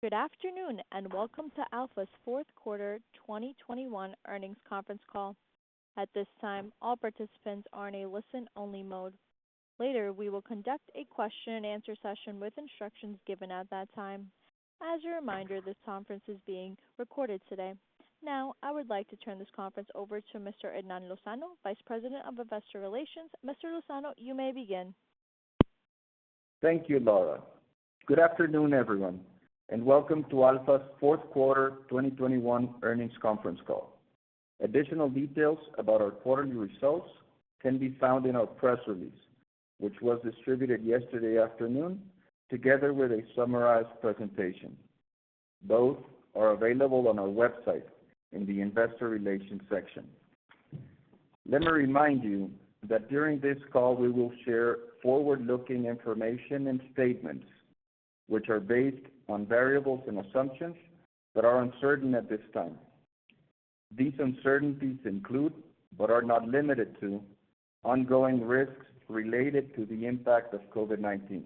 Good afternoon, and welcome to Alfa's fourth quarter 2021 Earnings Conference Call. At this time, all participants are in a listen-only mode. Later, we will conduct a question-and-answer session with instructions given at that time. As a reminder, this conference is being recorded today. Now, I would like to turn this conference over to Mr. Hernán Lozano, Vice President of Investor Relations. Mr. Lozano, you may begin. Thank you, Laura. Good afternoon, everyone, and welcome to Alfa's fourth quarter 2021 earnings conference call. Additional details about our quarterly results can be found in our press release, which was distributed yesterday afternoon together with a summarized presentation. Both are available on our website in the investor relations section. Let me remind you that during this call, we will share forward-looking information and statements which are based on variables and assumptions that are uncertain at this time. These uncertainties include, but are not limited to, ongoing risks related to the impact of COVID-19.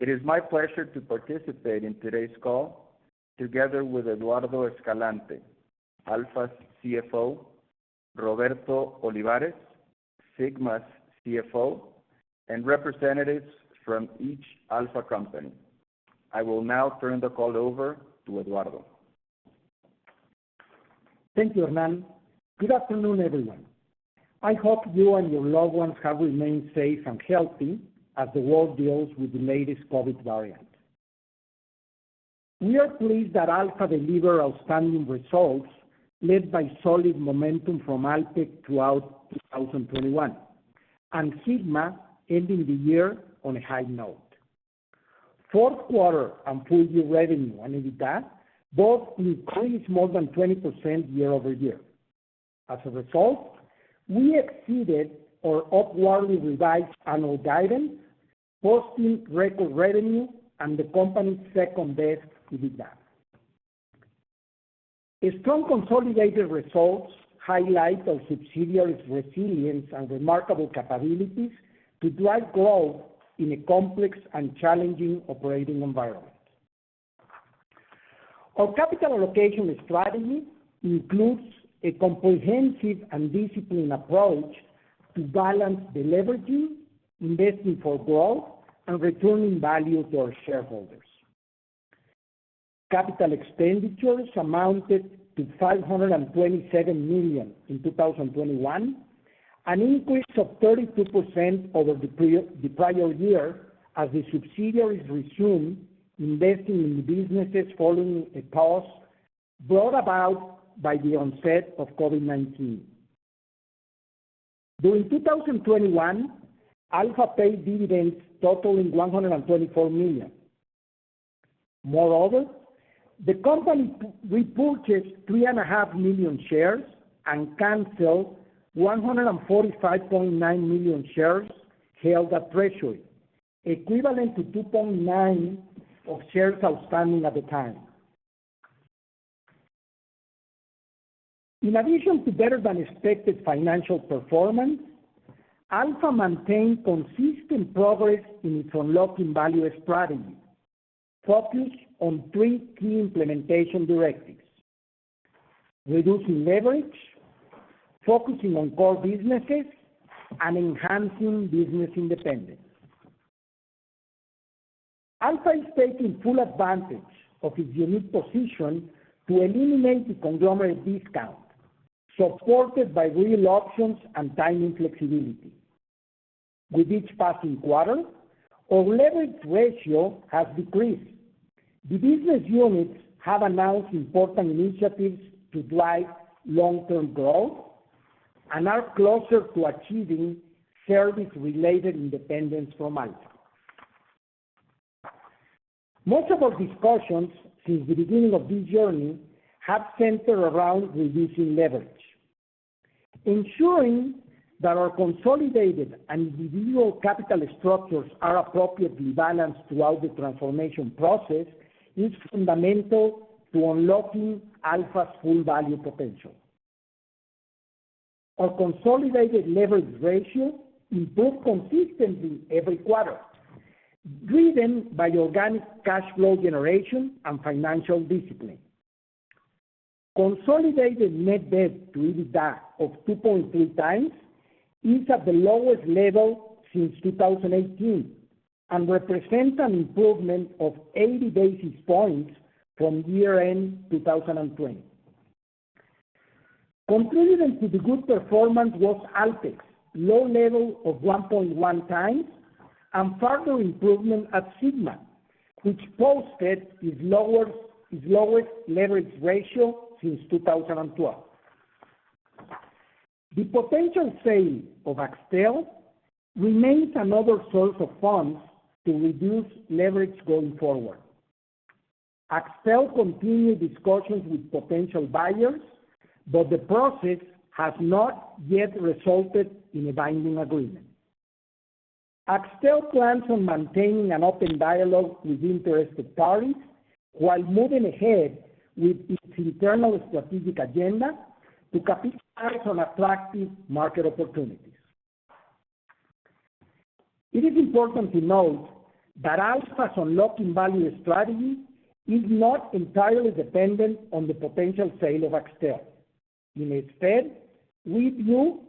It is my pleasure to participate in today's call together with Eduardo Escalante, Alfa's CFO, Roberto Olivares, Sigma's CFO, and representatives from each Alfa company. I will now turn the call over to Eduardo. Thank you, Hernán. Good afternoon, everyone. I hope you and your loved ones have remained safe and healthy as the world deals with the latest COVID variant. We are pleased that Alfa delivered outstanding results led by solid momentum from Alpek throughout 2021, and Sigma ending the year on a high note. Fourth quarter and full-year revenue and EBITDA both increased more than 20% year-over-year. As a result, we exceeded our upwardly revised annual guidance, posting record revenue and the company's second-best EBITDA. A strong consolidated results highlight our subsidiaries' resilience and remarkable capabilities to drive growth in a complex and challenging operating environment. Our capital allocation strategy includes a comprehensive and disciplined approach to balance the leveraging, investing for growth, and returning value to our shareholders. CapEx amounted to 527 million in 2021, an increase of 32% over the prior year as the subsidiaries resumed investing in the businesses following a pause brought about by the onset of COVID-19. During 2021, Alfa paid dividends totaling 124 million. Moreover, the company repurchased 3.5 million shares and canceled 145.9 million shares held at treasury, equivalent to 2.9% of shares outstanding at the time. In addition to better-than-expected financial performance, Alfa maintained consistent progress in its unlocking value strategy, focused on three key implementation directives, reducing leverage, focusing on core businesses, and enhancing business independence. Alfa is taking full advantage of its unique position to eliminate the conglomerate discount, supported by real options and timing flexibility. With each passing quarter, our leverage ratio has decreased. The business units have announced important initiatives to drive long-term growth and are closer to achieving service-related independence from Alpek. Most of our discussions since the beginning of this journey have centered around reducing leverage. Ensuring that our consolidated and individual capital structures are appropriately balanced throughout the transformation process is fundamental to unlocking Alfa's full value potential. Our consolidated leverage ratio improved consistently every quarter, driven by organic cash flow generation and financial discipline. Consolidated net debt to EBITDA of 2.3 times is at the lowest level since 2018 and represents an improvement of 80 basis points from year-end 2020. Contributing to the good performance was Alpek's low level of 1.1 times and further improvement at Sigma, which posted its lowest leverage ratio since 2012. The potential sale of Axtel remains another source of funds to reduce leverage going forward. Axtel continued discussions with potential buyers, but the process has not yet resulted in a binding agreement. Axtel plans on maintaining an open dialogue with interested parties while moving ahead with its internal strategic agenda to capitalize on attractive market opportunities. It is important to note that Alfa's unlocking value strategy is not entirely dependent on the potential sale of Axtel. Instead, we view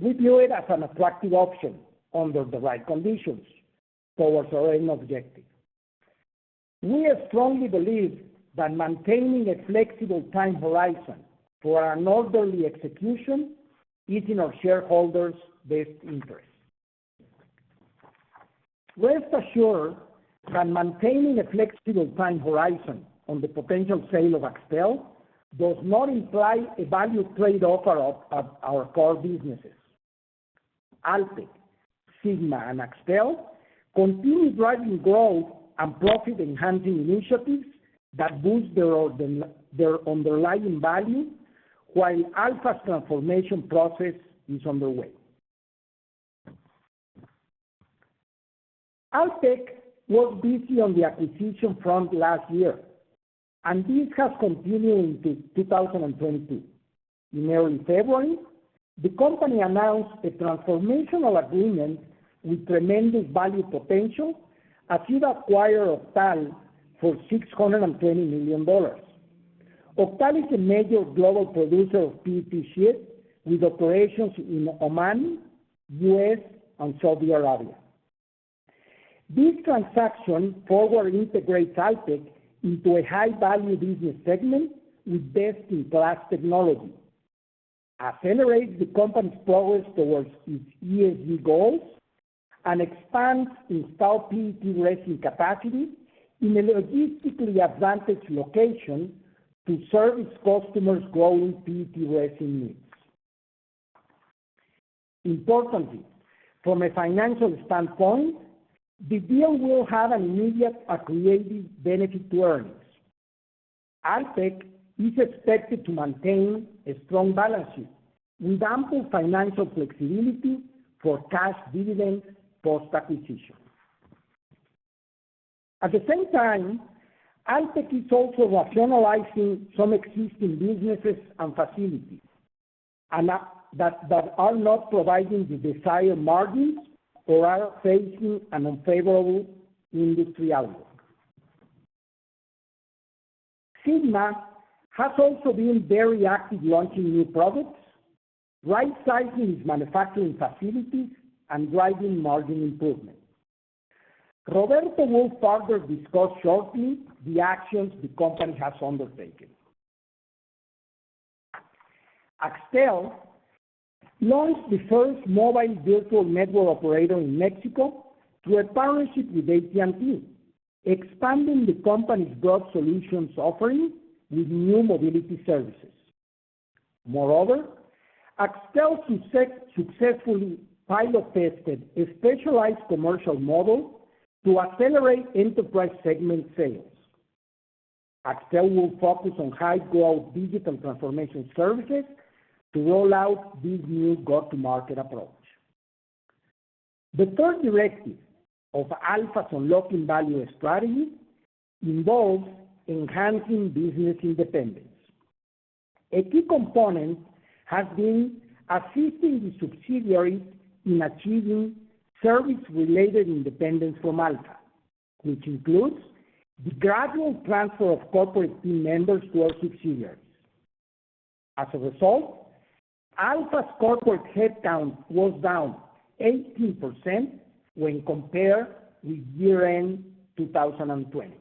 it as an attractive option under the right conditions towards our end objective. We strongly believe that maintaining a flexible time horizon for an orderly execution is in our shareholders' best interest. Rest assured that maintaining a flexible time horizon on the potential sale of Axtel does not imply a value trade-off of our core businesses. Alpek, Sigma, and Axtel continue driving growth and profit-enhancing initiatives that boost their underlying value while Alfa's transformation process is underway. Alpek was busy on the acquisition front last year, and this has continued into 2022. In early February, the company announced a transformational agreement with tremendous value potential as it acquired Octal for $620 million. Octal is a major global producer of PET sheet with operations in Oman, U.S., and Saudi Arabia. This transaction forward integrates Alpek into a high-value business segment with best-in-class technology, accelerates the company's progress toward its ESG goals, and expands installed PET resin capacity in a logistically advantaged location to serve its customers' growing PET resin needs. Importantly, from a financial standpoint, the deal will have an immediate accretive benefit to earnings. Alpek is expected to maintain a strong balance sheet with ample financial flexibility for cash dividends post-acquisition. At the same time, Alpek is also rationalizing some existing businesses and facilities that are not providing the desired margins or are facing an unfavorable industry outlook. Sigma has also been very active launching new products, right-sizing its manufacturing facilities, and driving margin improvement. Roberto will further discuss shortly the actions the company has undertaken. Axtel launched the first mobile virtual network operator in Mexico through a partnership with AT&T, expanding the company's growth solutions offering with new mobility services. Moreover, Axtel successfully pilot-tested a specialized commercial model to accelerate enterprise segment sales. Axtel will focus on high-growth digital transformation services to roll out this new go-to-market approach. The third directive of Alfa's unlocking value strategy involves enhancing business independence. A key component has been assisting the subsidiaries in achieving service-related independence from Alfa, which includes the gradual transfer of corporate team members to our subsidiaries. As a result, Alfa's corporate headcount was down 18% when compared with year-end 2020.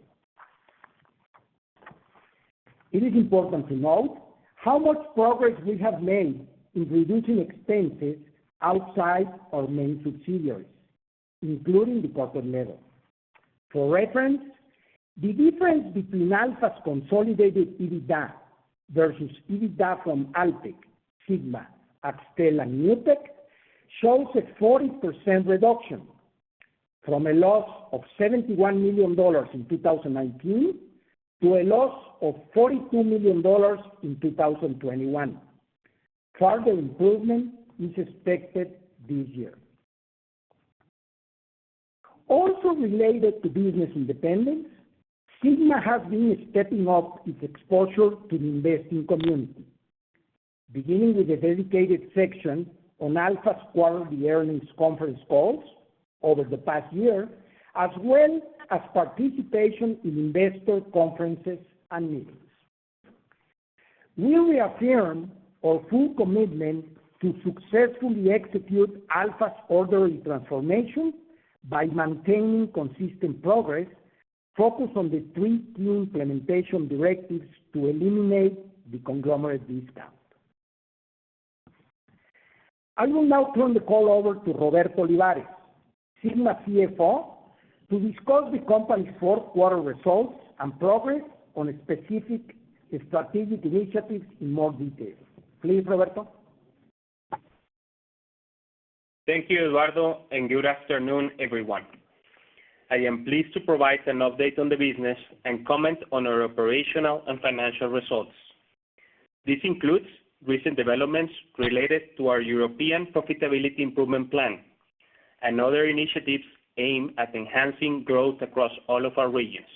It is important to note how much progress we have made in reducing expenses outside our main subsidiaries, including the corporate level. For reference, the difference between Alfa's consolidated EBITDA versus EBITDA from Alpek, Sigma, Axtel, and Newpek shows a 40% reduction from a loss of $71 million in 2019 to a loss of $42 million in 2021. Further improvement is expected this year. Also related to business independence, Sigma has been stepping up its exposure to the investing community, beginning with a dedicated section on Alfa's quarterly earnings conference calls over the past year, as well as participation in investor conferences and meetings. We reaffirm our full commitment to successfully execute Alfa's orderly transformation by maintaining consistent progress focused on the three key implementation directives to eliminate the conglomerate discount. I will now turn the call over to Roberto Olivares, Sigma CFO, to discuss the company's fourth-quarter results and progress on specific strategic initiatives in more detail. Please, Roberto. Thank you, Eduardo, and good afternoon, everyone. I am pleased to provide an update on the business and comment on our operational and financial results. This includes recent developments related to our European profitability improvement plan and other initiatives aimed at enhancing growth across all of our regions.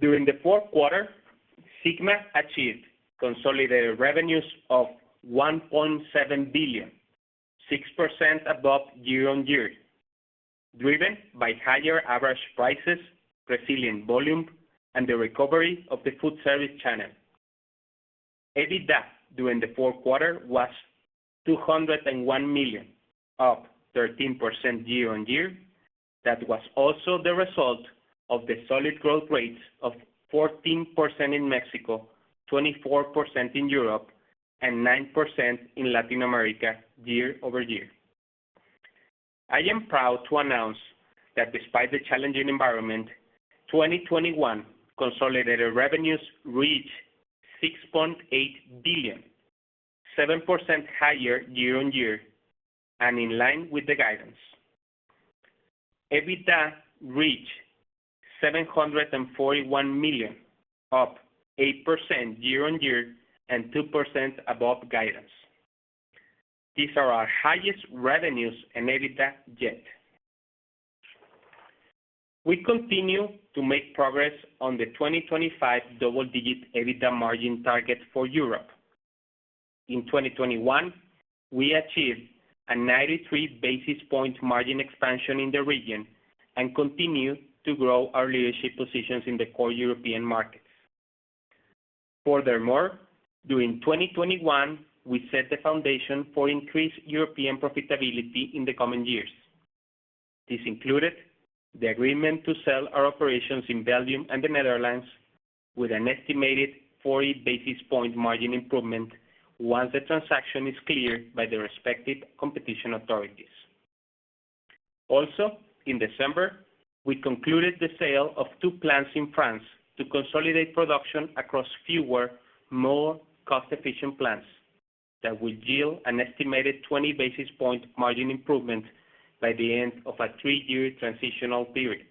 During the fourth quarter, Sigma achieved consolidated revenues of 1.7 billion, 6% above year-on-year, driven by higher average prices, resilient volume, and the recovery of the food service channel. EBITDA during the fourth quarter was 201 million, up 13% year-on-year. That was also the result of the solid growth rates of 14% in Mexico, 24% in Europe, and 9% in Latin America year-over-year. I am proud to announce that despite the challenging environment, 2021 consolidated revenues reached MXN 6.8 billion, 7% higher year-on-year and in line with the guidance. EBITDA reached 741 million, up 8% year-on-year and 2% above guidance. These are our highest revenues and EBITDA yet. We continue to make progress on the 2025 double-digit EBITDA margin target for Europe. In 2021, we achieved a 93 basis point margin expansion in the region and continue to grow our leadership positions in the core European markets. Furthermore, during 2021, we set the foundation for increased European profitability in the coming years. This included the agreement to sell our operations in Belgium and the Netherlands with an estimated 40 basis point margin improvement once the transaction is cleared by the respective competition authorities. Also, in December, we concluded the sale of two plants in France to consolidate production across fewer, more cost-efficient plants that will yield an estimated 20 basis point margin improvement by the end of a 3-year transitional period.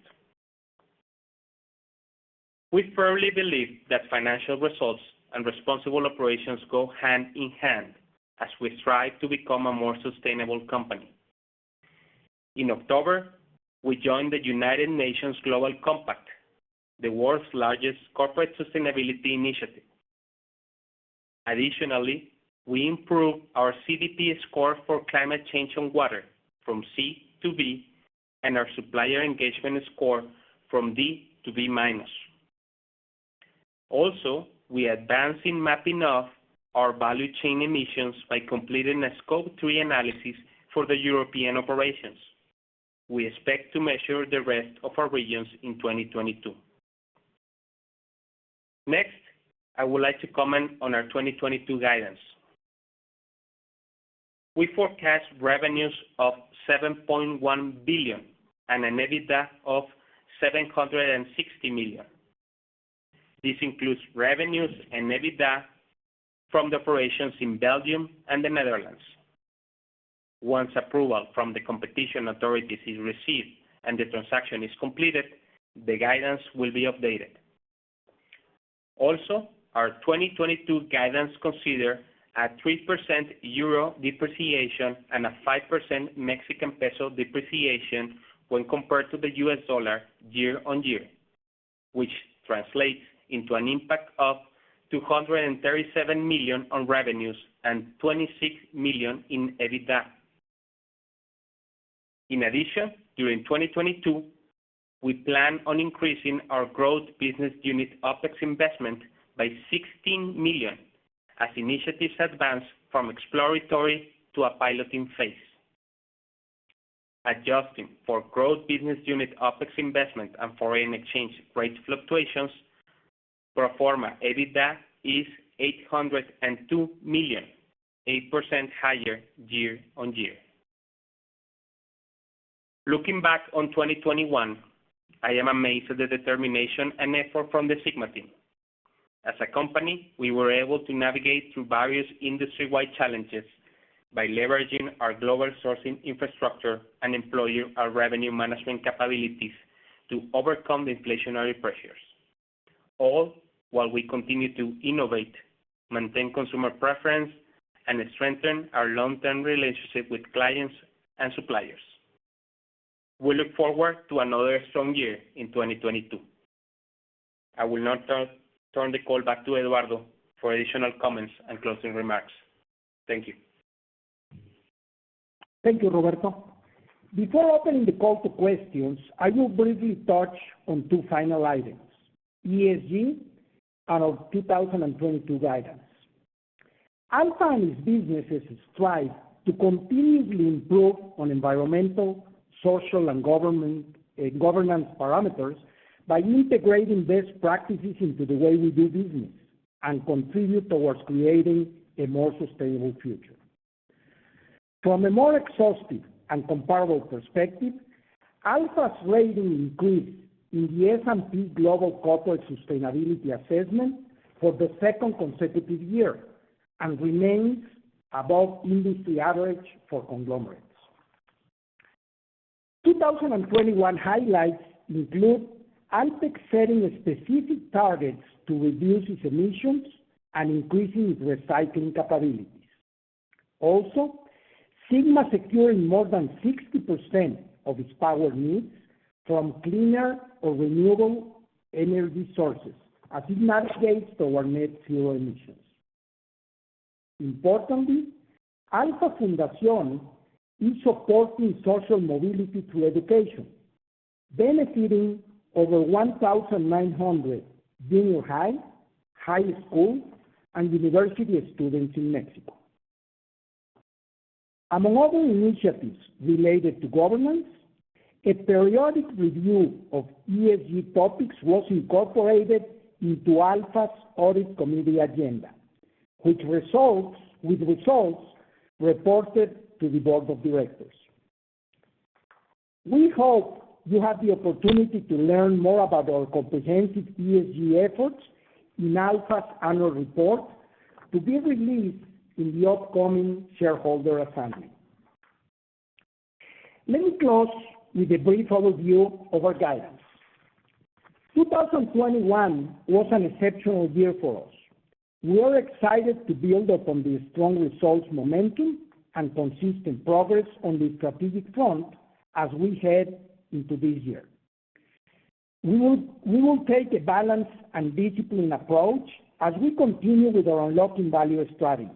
We firmly believe that financial results and responsible operations go hand in hand as we strive to become a more sustainable company. In October, we joined the United Nations Global Compact, the world's largest corporate sustainability initiative. Additionally, we improved our CDP score for climate change and water from C to B, and our supplier engagement score from D to B-. Also, we advanced in mapping of our value chain emissions by completing a Scope three analysis for the European operations. We expect to measure the rest of our regions in 2022. Next, I would like to comment on our 2022 guidance. We forecast revenues of 7.1 billion and an EBITDA of 760 million. This includes revenues and EBITDA from the operations in Belgium and the Netherlands. Once approval from the competition authorities is received and the transaction is completed, the guidance will be updated. Also, our 2022 guidance consider a 3% euro depreciation and a 5% Mexican peso depreciation when compared to the US dollar year-on-year, which translates into an impact of 237 million on revenues and 26 million in EBITDA. In addition, during 2022, we plan on increasing our growth business unit OpEx investment by 16 million as initiatives advance from exploratory to a piloting phase. Adjusting for growth business unit OpEx investment and foreign exchange rate fluctuations, pro forma EBITDA is 802 million, 8% higher year-on-year. Looking back on 2021, I am amazed at the determination and effort from the Sigma team. As a company, we were able to navigate through various industry-wide challenges by leveraging our global sourcing infrastructure and employing our revenue management capabilities to overcome the inflationary pressures. All while we continue to innovate, maintain consumer preference, and strengthen our long-term relationship with clients and suppliers. We look forward to another strong year in 2022. I will now turn the call back to Eduardo for additional comments and closing remarks. Thank you. Thank you, Roberto. Before opening the call to questions, I will briefly touch on two final items, ESG and our 2022 guidance. Alfa's businesses strive to continuously improve on environmental, social, and government, governance parameters by integrating best practices into the way we do business and contribute towards creating a more sustainable future. From a more exhaustive and comparable perspective, Alfa's rating increased in the S&P Global Corporate Sustainability Assessment for the second consecutive year and remains above industry average for conglomerates. 2021 highlights include Alpek setting specific targets to reduce its emissions and increasing its recycling capabilities, and Sigma securing more than 60% of its power needs from cleaner or renewable energy sources as it navigates toward net zero emissions. Importantly, Alfa Fundación is supporting social mobility through education, benefiting over 1,900 junior high, high school, and university students in Mexico. Among other initiatives related to governance, a periodic review of ESG topics was incorporated into Alfa's audit committee agenda, with results reported to the board of directors. We hope you have the opportunity to learn more about our comprehensive ESG efforts in Alfa's annual report to be released in the upcoming shareholder assembly. Let me close with a brief overview of our guidance. 2021 was an exceptional year for us. We are excited to build upon the strong results momentum and consistent progress on the strategic front as we head into this year. We will take a balanced and disciplined approach as we continue with our unlocking value strategy.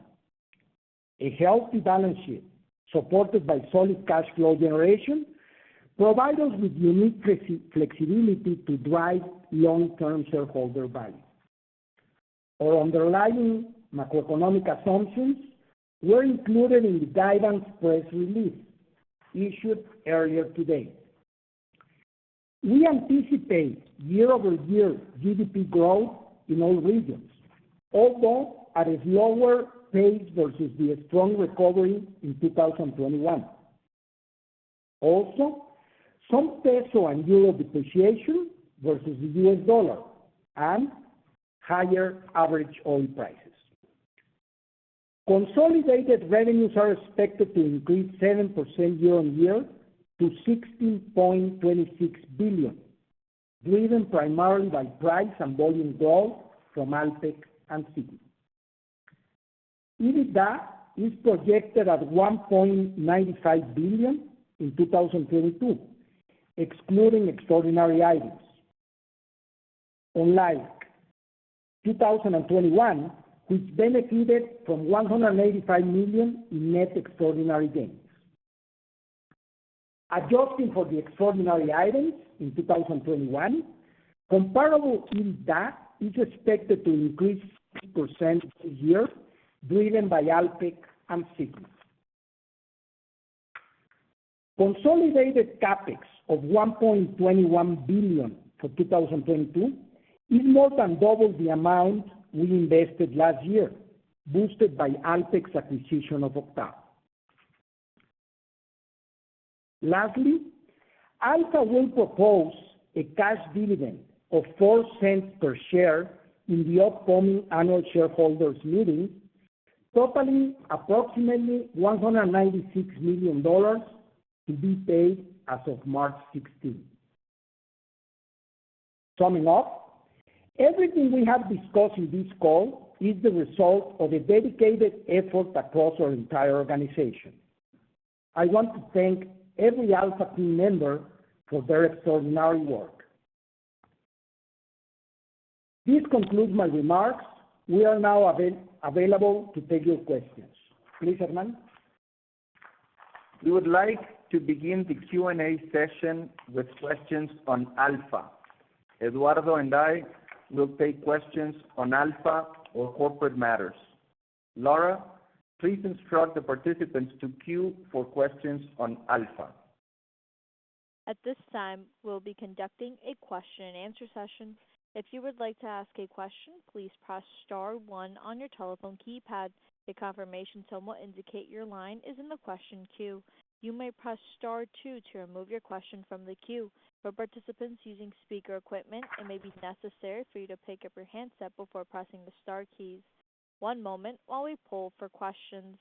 A healthy balance sheet supported by solid cash flow generation provides us with unique flexibility to drive long-term shareholder value. Our underlying macroeconomic assumptions were included in the guidance press release issued earlier today. We anticipate year-over-year GDP growth in all regions, although at a slower pace versus the strong recovery in 2021. Also, some peso and euro depreciation versus the U.S. dollar and higher average oil prices. Consolidated revenues are expected to increase 7% year-on-year to 16.26 billion, driven primarily by price and volume growth from Alpek and Sigma. EBITDA is projected at 1.95 billion in 2022, excluding extraordinary items. Unlike 2021, which benefited from 185 million in net extraordinary gains. Adjusting for the extraordinary items in 2021, comparable EBITDA is expected to increase 6% this year, driven by Alpek and Sigma. Consolidated CapEx of 1.21 billion for 2022 is more than double the amount we invested last year, boosted by Alpek's acquisition of Octal. Lastly, Alfa will propose a cash dividend of $0.04 per share in the upcoming annual shareholders meeting, totaling approximately $196 million to be paid as of March 16. Summing up, everything we have discussed in this call is the result of a dedicated effort across our entire organization. I want to thank every Alfa team member for their extraordinary work. This concludes my remarks. We are now available to take your questions. Please, Hernán. We would like to begin the Q&A session with questions on Alfa. Eduardo and I will take questions on Alfa or corporate matters. Laura, please instruct the participants to queue for questions on Alfa. At this time, we'll be conducting a question and answer session. If you would like to ask a question, please press star one on your telephone keypad. A confirmation tone will indicate your line is in the question queue. You may press star two to remove your question from the queue. For participants using speaker equipment, it may be necessary for you to pick up your handset before pressing the star keys. One moment while we poll for questions.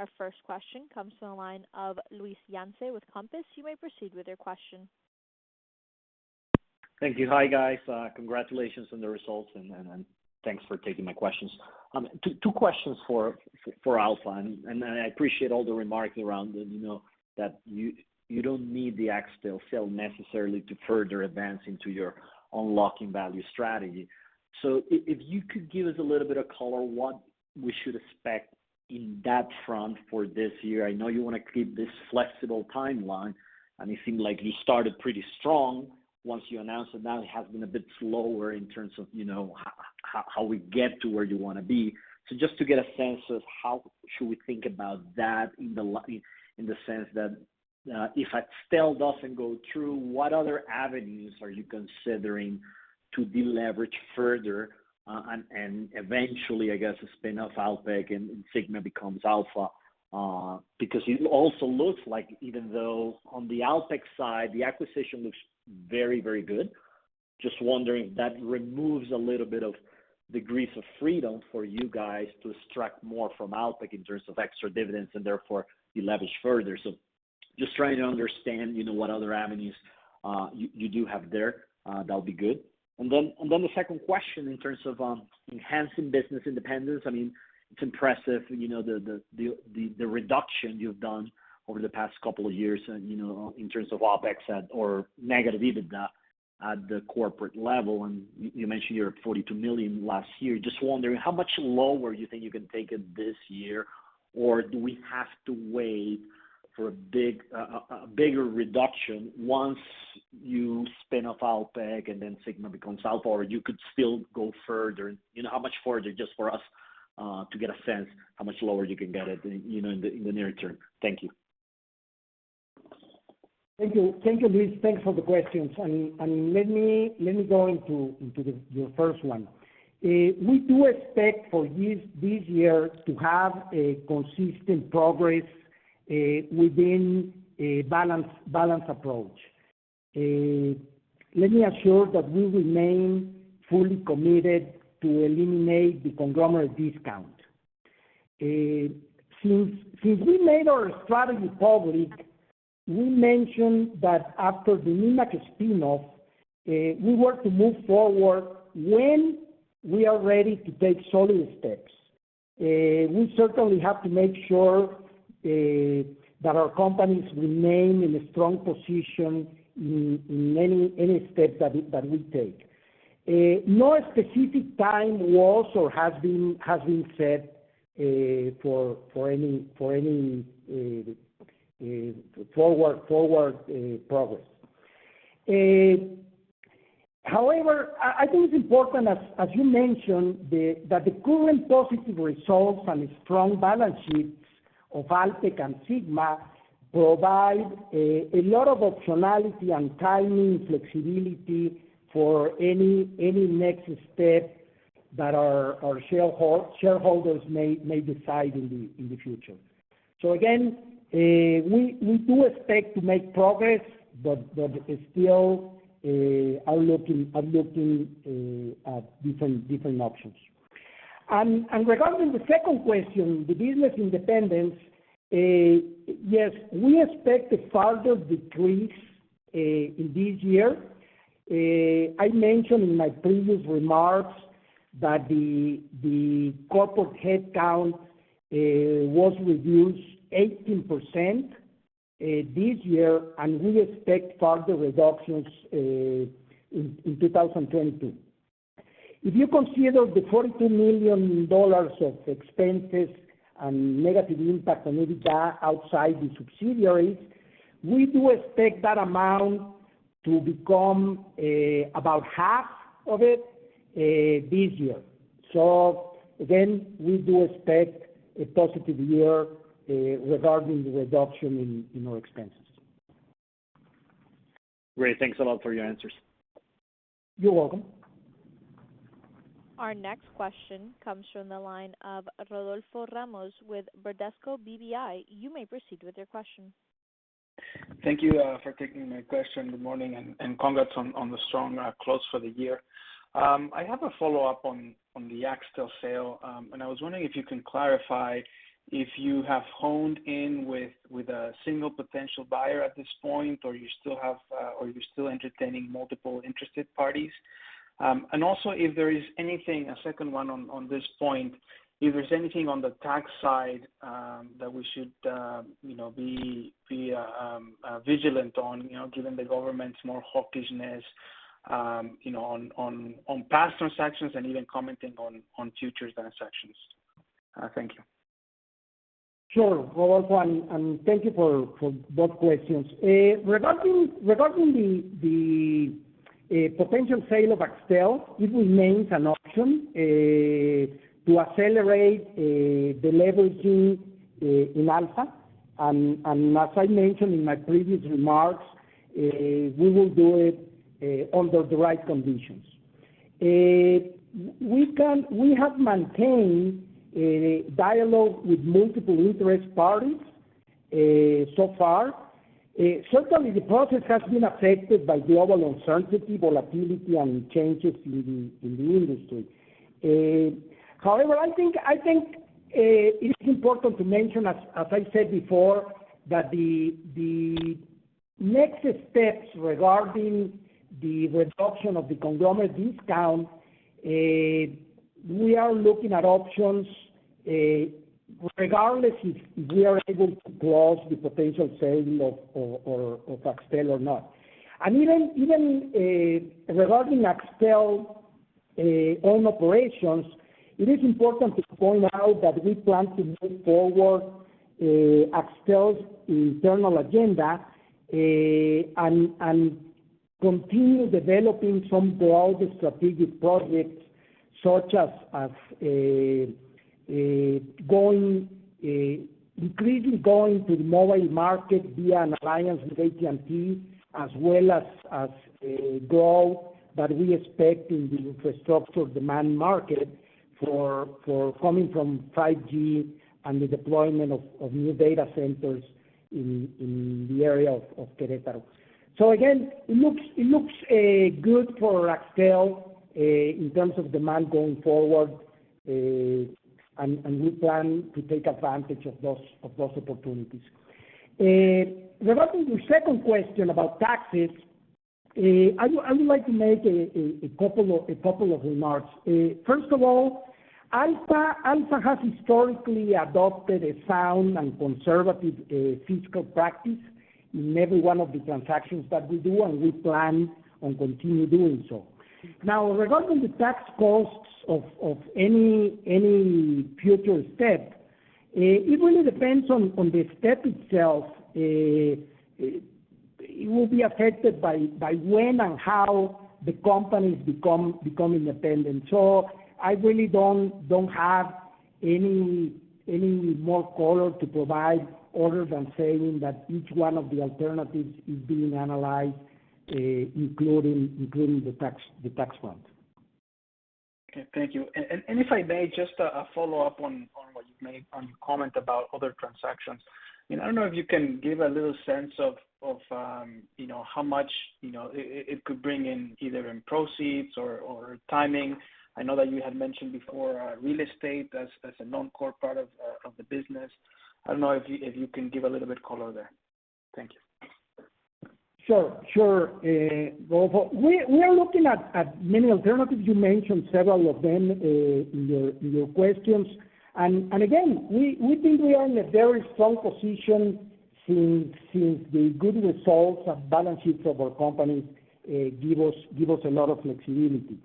Our first question comes from the line of Luis Yance with Compass Group. You may proceed with your question. Thank you. Hi, guys. Congratulations on the results and thanks for taking my questions. Two questions for Alfa. I appreciate all the remarks around it, you know, that you don't need the Axtel sale necessarily to further advance into your unlocking value strategy. If you could give us a little bit of color, what we should expect in that front for this year. I know you wanna keep this flexible timeline, and it seemed like you started pretty strong once you announced it. Now it has been a bit slower in terms of, you know, how we get to where you wanna be. Just to get a sense of how should we think about that in the sense that, if Axtel doesn't go through, what other avenues are you considering to deleverage further, and eventually, I guess, a spin-off Alpek and Sigma becomes Alfa? Because it also looks like even though on the Alpek side, the acquisition looks very, very good. Just wondering if that removes a little bit of degrees of freedom for you guys to extract more from Alpek in terms of extra dividends and therefore deleverage further. Just trying to understand, you know, what other avenues, you do have there, that'll be good. The second question in terms of enhancing business independence, I mean, it's impressive, you know, the reduction you've done over the past couple of years and, you know, in terms of OpEx at or negative EBITDA at the corporate level. You mentioned you're at 42 million last year. Just wondering how much lower you think you can take it this year? Or do we have to wait for a big, a bigger reduction once you spin off Alpek and then Sigma becomes Alfa or you could still go further. You know, how much further, just for us to get a sense how much lower you can get it, you know, in the near term? Thank you. Thank you. Thank you, Luis. Thanks for the questions. Let me go into your first one. We do expect for this year to have a consistent progress within a balanced approach. Let me assure that we remain fully committed to eliminate the conglomerate discount. Since we made our strategy public, we mentioned that after the Nemak spin-off, we were to move forward when we are ready to take solid steps. We certainly have to make sure that our companies remain in a strong position in any steps that we take. No specific time was or has been set for any forward progress. However, I think it's important as you mentioned, that the current positive results and strong balance sheets of Alpek and Sigma provide a lot of optionality and timing flexibility for any next step that our shareholders may decide in the future. Again, we do expect to make progress, but still are looking at different options. Regarding the second question, the business independence, yes, we expect further decrease in this year. I mentioned in my previous remarks that the corporate headcount was reduced 18% this year, and we expect further reductions in 2022. If you consider the $42 million of expenses and negative impact on EBITDA outside the subsidiaries, we do expect that amount to become about half of it this year. Again, we do expect a positive year regarding the reduction in our expenses. Great. Thanks a lot for your answers. You're welcome. Our next question comes from the line of Rodolfo Ramos with Bradesco BBI. You may proceed with your question. Thank you for taking my question. Good morning, and congrats on the strong close for the year. I have a follow-up on the Axtel sale. I was wondering if you can clarify if you have honed in with a single potential buyer at this point, or you're still entertaining multiple interested parties. Also, if there is anything, a second one on this point, if there's anything on the tax side that we should you know be vigilant on, you know, given the government's more hawkishness, you know, on past transactions and even commenting on future transactions. Thank you. Sure, Rodolfo, and thank you for both questions. Regarding the potential sale of Axtel, it remains an option to accelerate the leveraging in Alfa. As I mentioned in my previous remarks, we will do it under the right conditions. We have maintained a dialogue with multiple interest parties so far. Certainly the process has been affected by global uncertainty, volatility, and changes in the industry. However, I think it's important to mention as I said before, that the next steps regarding the reduction of the conglomerate discount, we are looking at options regardless if we are able to close the potential sale of Axtel or not. Even regarding Axtel's own operations, it is important to point out that we plan to move forward Axtel's internal agenda and continue developing some broader strategic projects such as increasingly going to the mobile market via an alliance with AT&T, as well as growth that we expect in the infrastructure demand market coming from 5G and the deployment of new data centers in the area of Querétaro. Again, it looks good for Axtel in terms of demand going forward. We plan to take advantage of those opportunities. Regarding your second question about taxes, I would like to make a couple of remarks. First of all, Alfa has historically adopted a sound and conservative fiscal practice in every one of the transactions that we do, and we plan on continue doing so. Now, regarding the tax costs of any future step, it really depends on the step itself. It will be affected by when and how the companies become independent. I really don't have any more color to provide other than saying that each one of the alternatives is being analyzed, including the tax front. Okay, thank you. If I may, just a follow-up on what you've said on your comment about other transactions. You know, I don't know if you can give a little sense of, you know, how much, you know, it could bring in either in proceeds or timing. I know that you had mentioned before, real estate as a non-core part of the business. I don't know if you can give a little bit color there. Thank you. Sure. Well, we are looking at many alternatives. You mentioned several of them in your questions. Again, we think we are in a very strong position since the good results and balance sheets of our company give us a lot of flexibility.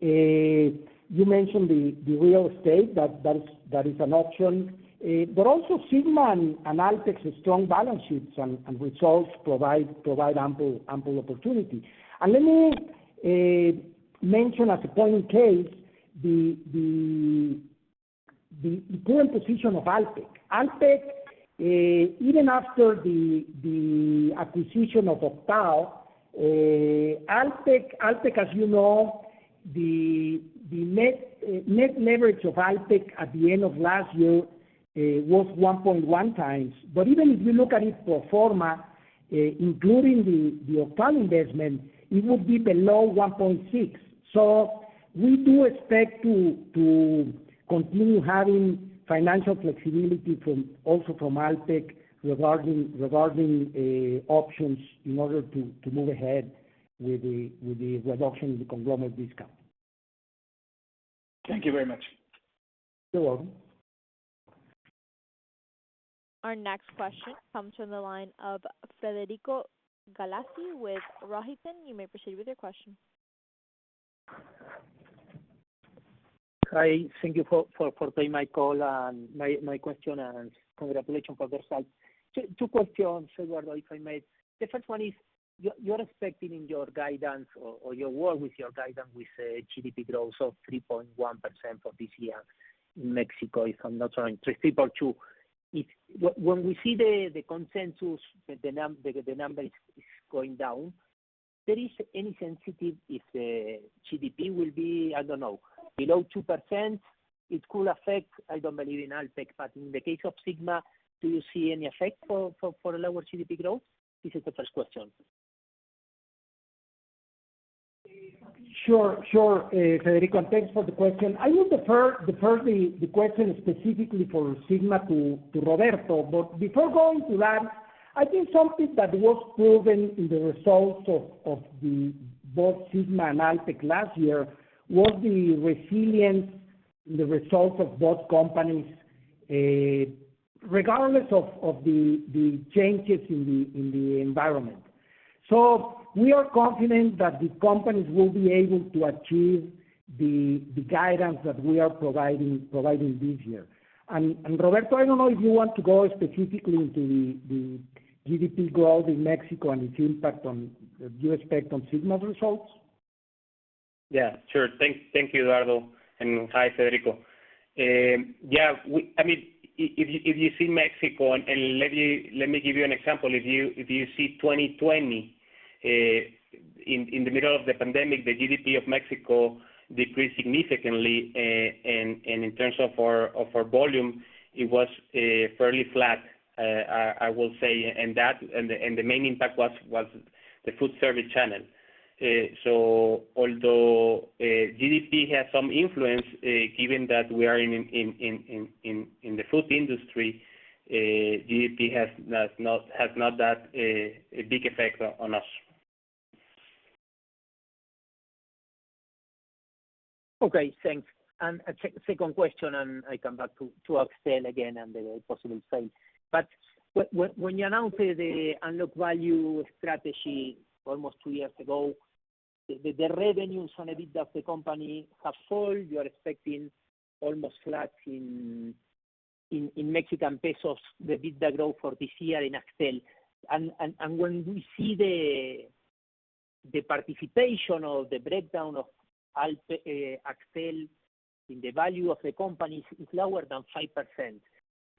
You mentioned the real estate that is an option. But also Sigma and Alpek's strong balance sheets and results provide ample opportunity. Let me mention as a point in case the current position of Alpek. Alpek even after the acquisition of Octal, Alpek as you know, the net leverage of Alpek at the end of last year was 1.1 times. Even if you look at it pro forma, including the Octal investment, it would be below 1.6. We do expect to continue having financial flexibility from Alpek regarding options in order to move ahead with the reduction in the conglomerate discount. Thank you very much. You're welcome. Our next question comes from the line of Federico Galassi with Itaú. You may proceed with your question. Hi, thank you for taking my call and my question, and congratulations on the results. Two questions, Eduardo, if I may. The first one is you're expecting in your guidance or your work with your guidance GDP growth of 3.1% for this year in Mexico, if I'm not wrong, 3.2%. When we see the consensus, the number is going down, there is any sensitivity if GDP will be, I don't know, below 2%, it could affect, I don't believe in Alpek, but in the case of Sigma, do you see any effect for a lower GDP growth? This is the first question. Sure, sure, Federico, and thanks for the question. I will defer the question specifically for Sigma to Roberto. But before going to that, I think something that was proven in the results of both Sigma and Alpek last year was the resilience in the results of both companies, regardless of the changes in the environment. We are confident that the companies will be able to achieve the guidance that we are providing this year. Roberto, I don't know if you want to go specifically into the GDP growth in Mexico and its impact on what you expect on Sigma's results. Yeah, sure. Thank you, Eduardo. Hi, Federico. Yeah, I mean, if you see Mexico, and let me give you an example. If you see 2020, in the middle of the pandemic, the GDP of Mexico decreased significantly. In terms of our volume, it was fairly flat, I will say. The main impact was the food service channel. Although GDP has some influence, given that we are in the food industry, GDP has not that a big effect on us. Okay, thanks. Second question, I come back to Axtel again and the possible sale. When you announce the Unlock Value strategy almost two years ago, the revenues and EBITDA of the company have sold. You are expecting almost flat in Mexican pesos, the EBITDA growth for this year in Axtel. When we see the participation or the breakdown of Axtel in the value of the company is lower than 5%.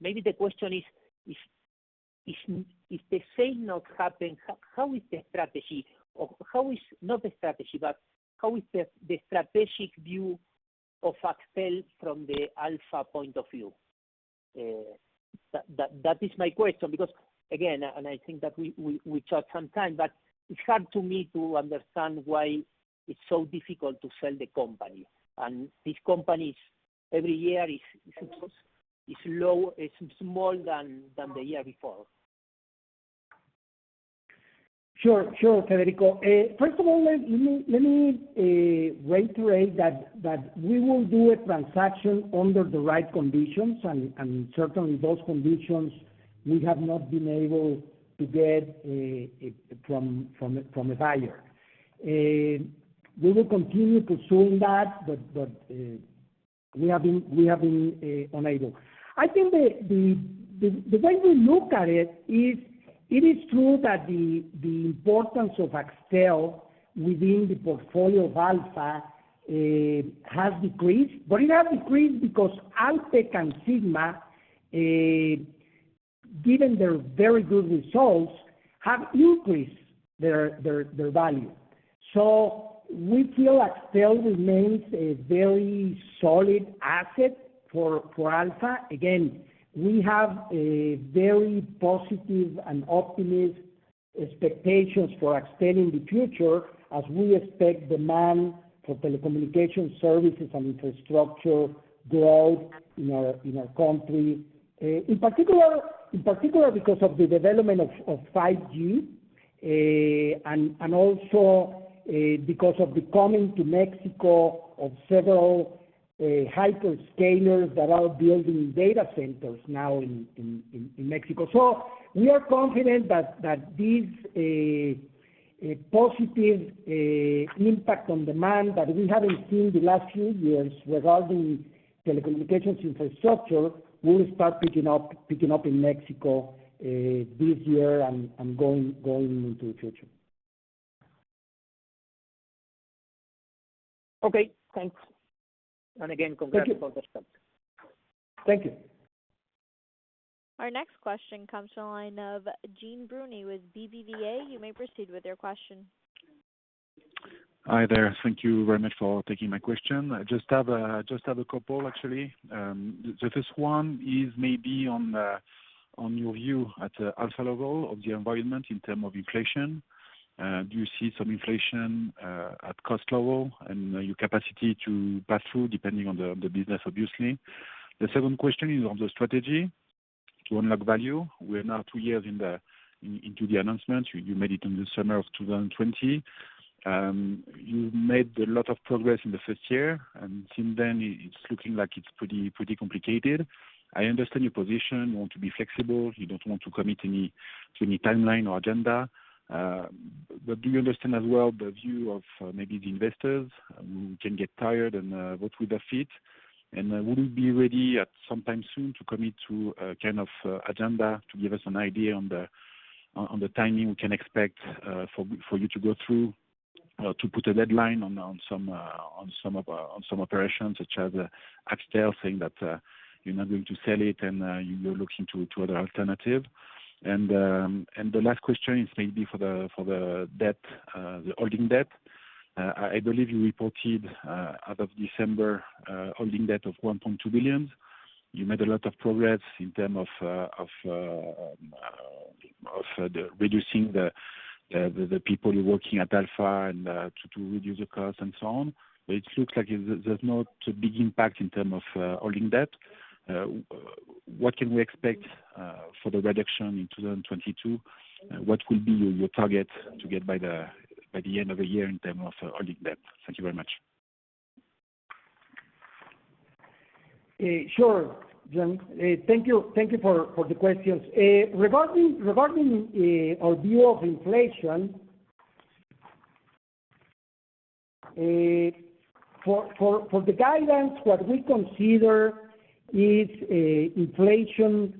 Maybe the question is, if the sale not happen, how is the strategy or how is... Not the strategy, but how is the strategic view of Axtel from the Alfa point of view? That is my question, because again, and I think that we chat sometime, but it's hard to me to understand why it's so difficult to sell the company. These companies every year is smaller than the year before. Sure. Sure, Federico. First of all, let me reiterate that we will do a transaction under the right conditions. Certainly those conditions we have not been able to get from a buyer. We will continue pursuing that, but we have been unable. I think the way we look at it is it is true that the importance of Axtel within the portfolio of Alfa has decreased, but it has decreased because Alpek and Sigma, given their very good results, have increased their value. We feel Axtel remains a very solid asset for Alfa. Again, we have a very positive and optimistic expectations for Axtel in the future as we expect demand for telecommunications services and infrastructure growth in our country. In particular because of the development of fiveG and also because of the coming to Mexico of several hyperscalers that are building data centers now in Mexico. We are confident that this positive impact on demand that we haven't seen the last few years regarding telecommunications infrastructure will start picking up in Mexico this year and going into the future. Okay, thanks. Again, congrats on the results. Thank you. Our next question comes from the line of Jean Bruny with BBVA. You may proceed with your question. Hi there. Thank you very much for taking my question. I just have a couple actually. The first one is maybe on your view at the Alfa level of the environment in terms of inflation. Do you see some inflation at cost level and your capacity to pass through, depending on the business obviously? The second question is on the strategy to unlock value. We're now two years into the announcement you made in the summer of 2020. You made a lot of progress in the first year, and since then it's looking like it's pretty complicated. I understand your position. You want to be flexible. You don't want to commit to any timeline or agenda. Do you understand as well the view of maybe the investors who can get tired and what will that fit? Would you be ready at some time soon to commit to a kind of agenda to give us an idea on the timing we can expect for you to go through to put a deadline on some operations such as Axtel, saying that you're not going to sell it and you're looking to other alternative? The last question is maybe for the debt, the holding debt. I believe you reported as of December holding debt of 1.2 billion. You made a lot of progress in terms of reducing the people working at Alfa and to reduce the costs and so on. It looks like there's no big impact in terms of holding debt. What can we expect for the reduction in 2022? What will be your target to get by the end of the year in terms of holding debt? Thank you very much. Sure, Jean. Thank you for the questions. Regarding our view of inflation, for the guidance, what we consider is inflation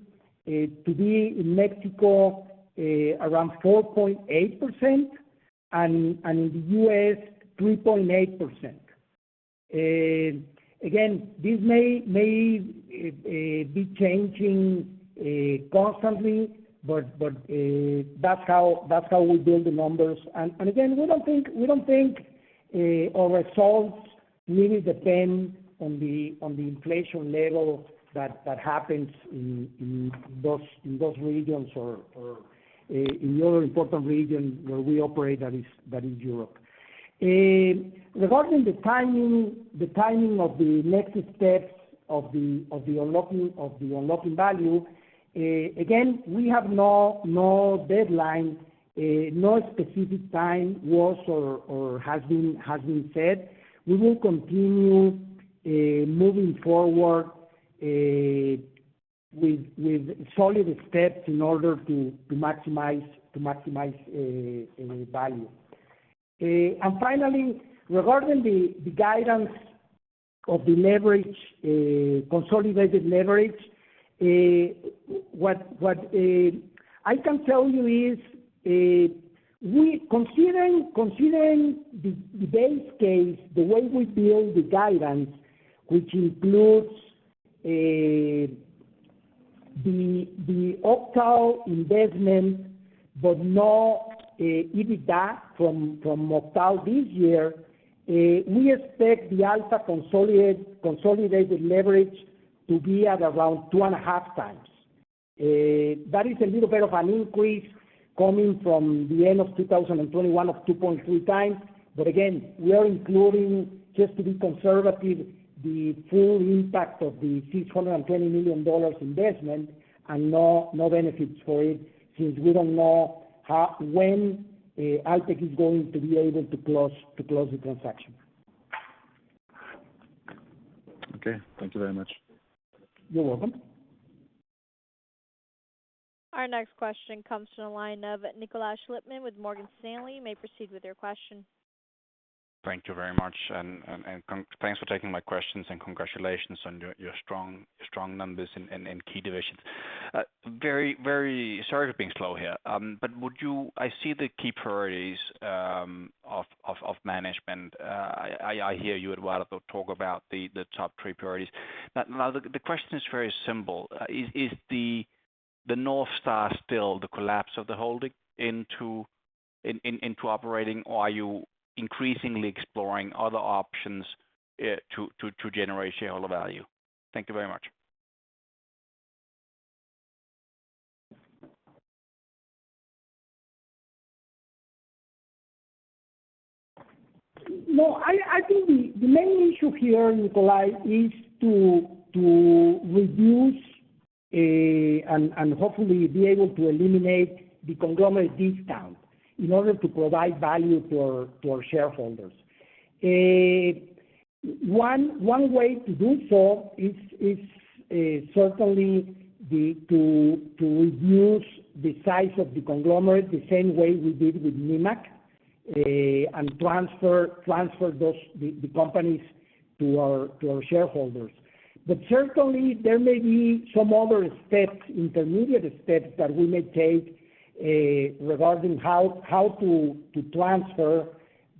to be in Mexico around 4.8% and in the U.S., 3.8%. Again, this may be changing constantly, but that's how we build the numbers. Again, we don't think our results really depend on the inflation level that happens in those regions or in the other important region where we operate, that is Europe. Regarding the timing of the next steps of the unlocking value, again, we have no deadline, no specific time was or has been set. We will continue moving forward with solid steps in order to maximize value. Finally, regarding the guidance of the leverage, consolidated leverage, what I can tell you is, we considering the base case, the way we build the guidance, which includes the Octal investment but no EBITDA from Octal this year, we expect the Alfa consolidated leverage to be at around 2.5 times. That is a little bit of an increase coming from the end of 2021 of 2.3 times. Again, we are including just to be conservative, the full impact of the $620 million investment and no benefits for it since we don't know how when Alpek is going to be able to close the transaction. Okay, thank you very much. You're welcome. Our next question comes from the line of Nikolaj Lippmann with Morgan Stanley. You may proceed with your question. Thank you very much. Thanks for taking my questions and congratulations on your strong numbers in key divisions. Sorry for being slow here. I see the key priorities of management. I hear you Eduardo talk about the top three priorities. Now, the question is very simple. Is the North Star still the collapse of the holding into operating? Or are you increasingly exploring other options to generate shareholder value? Thank you very much. No, I think the main issue here, Nikolaj, is to reduce and hopefully be able to eliminate the conglomerate discount in order to provide value for shareholders. One way to do so is certainly to reduce the size of the conglomerate the same way we did with Nemak and transfer those companies to our shareholders. Certainly there may be some other steps, intermediate steps that we may take regarding how to transfer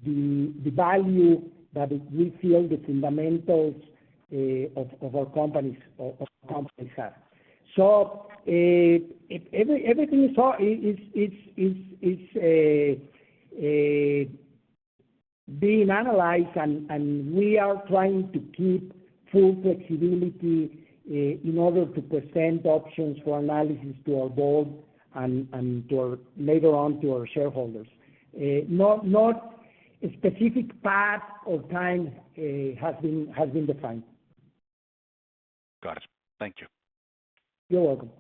the value that we feel the fundamentals of our companies have. Everything you saw is being analyzed and we are trying to keep full flexibility in order to present options for analysis to our board and later on to our shareholders. Not a specific path or time has been defined. Got it. Thank you. You're welcome.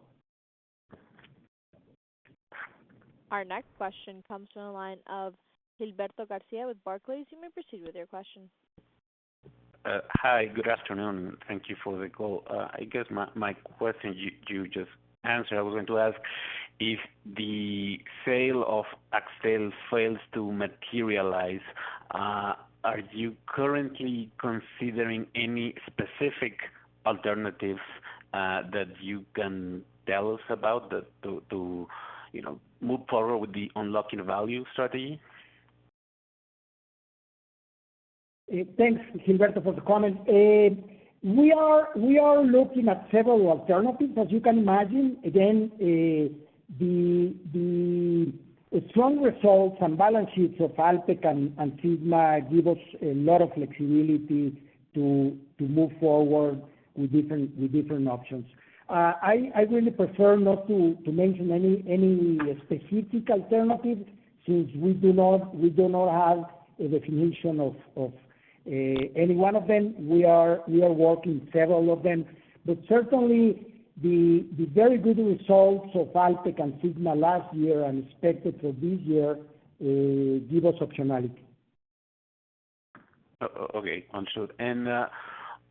Our next question comes from the line of Gilberto Garcia with Barclays. You may proceed with your question. Hi, good afternoon. Thank you for the call. I guess my question, you just answered. I was going to ask if the sale of Axtel fails to materialize, are you currently considering any specific alternatives that you can tell us about, to you know, move forward with the unlocking value strategy? Thanks, Gilberto, for the comment. We are looking at several alternatives, as you can imagine. Again, the strong results and balance sheets of Alpek and Sigma give us a lot of flexibility to move forward with different options. I really prefer not to mention any specific alternative since we do not have a definition of any one of them. We are working several of them. Certainly, the very good results of Alpek and Sigma last year and expected for this year give us optionality. Okay, understood.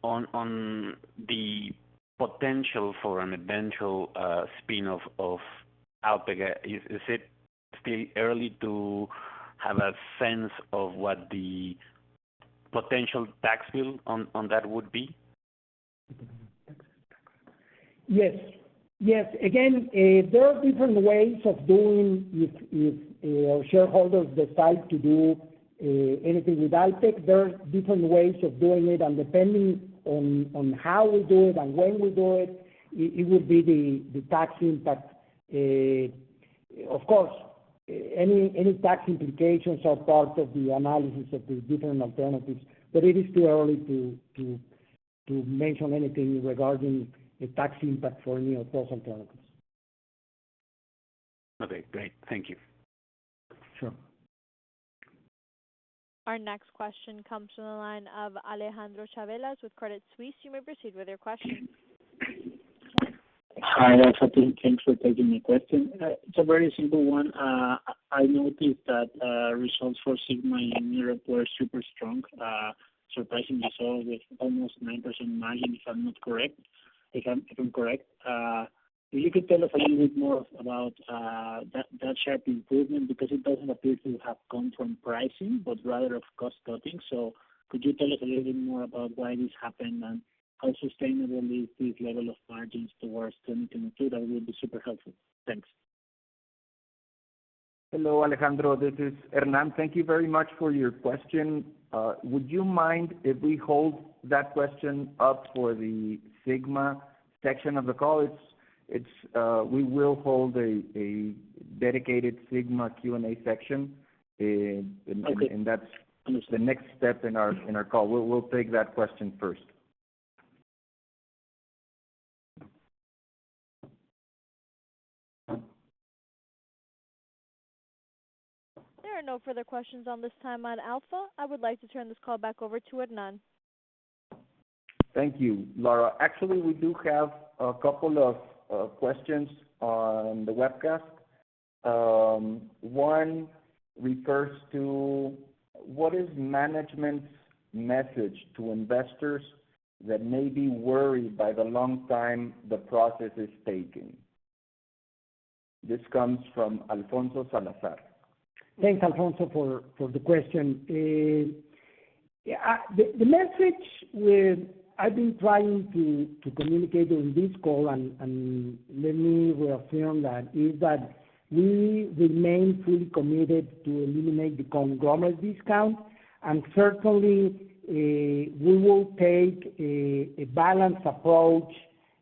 On the potential for an eventual spin of Alpek, is it still early to have a sense of what the potential tax bill on that would be? Yes. Again, there are different ways of doing it if our shareholders decide to do anything with Alpek, there are different ways of doing it. Depending on how we do it and when we do it would be the tax impact. Of course, any tax implications are part of the analysis of the different alternatives, but it is too early to mention anything regarding the tax impact for any of those alternatives. Okay, great. Thank you. Sure. Our next question comes from the line of Alejandro Chavelas with Credit Suisse. You may proceed with your question. Hi, Eduardo. Thanks for taking my question. It's a very simple one. I noticed that results for Sigma in your report are super strong, surprisingly so with almost 9% margin, if I'm correct. If you could tell us a little bit more about that sharp improvement because it doesn't appear to have come from pricing, but rather of cost cutting. Could you tell us a little bit more about why this happened and how sustainable is this level of margins towards 2022? That would be super helpful. Thanks. Hello, Alejandro. This is Hernán. Thank you very much for your question. Would you mind if we hold that question up for the Sigma section of the call? We will hold a dedicated Sigma Q&A section. Okay. That's the next step in our call. We'll take that question first. There are no further questions at this time on Alfa. I would like to turn this call back over to Hernán. Thank you, Laura. Actually, we do have a couple of questions on the webcast. One refers to: What is management's message to investors that may be worried by the long time the process is taking? This comes from Alfonso Salazar. Thanks, Alfonso, for the question. Yeah, the message I've been trying to communicate on this call, and let me reaffirm that, is that we remain fully committed to eliminate the conglomerate discount. Certainly, we will take a balanced approach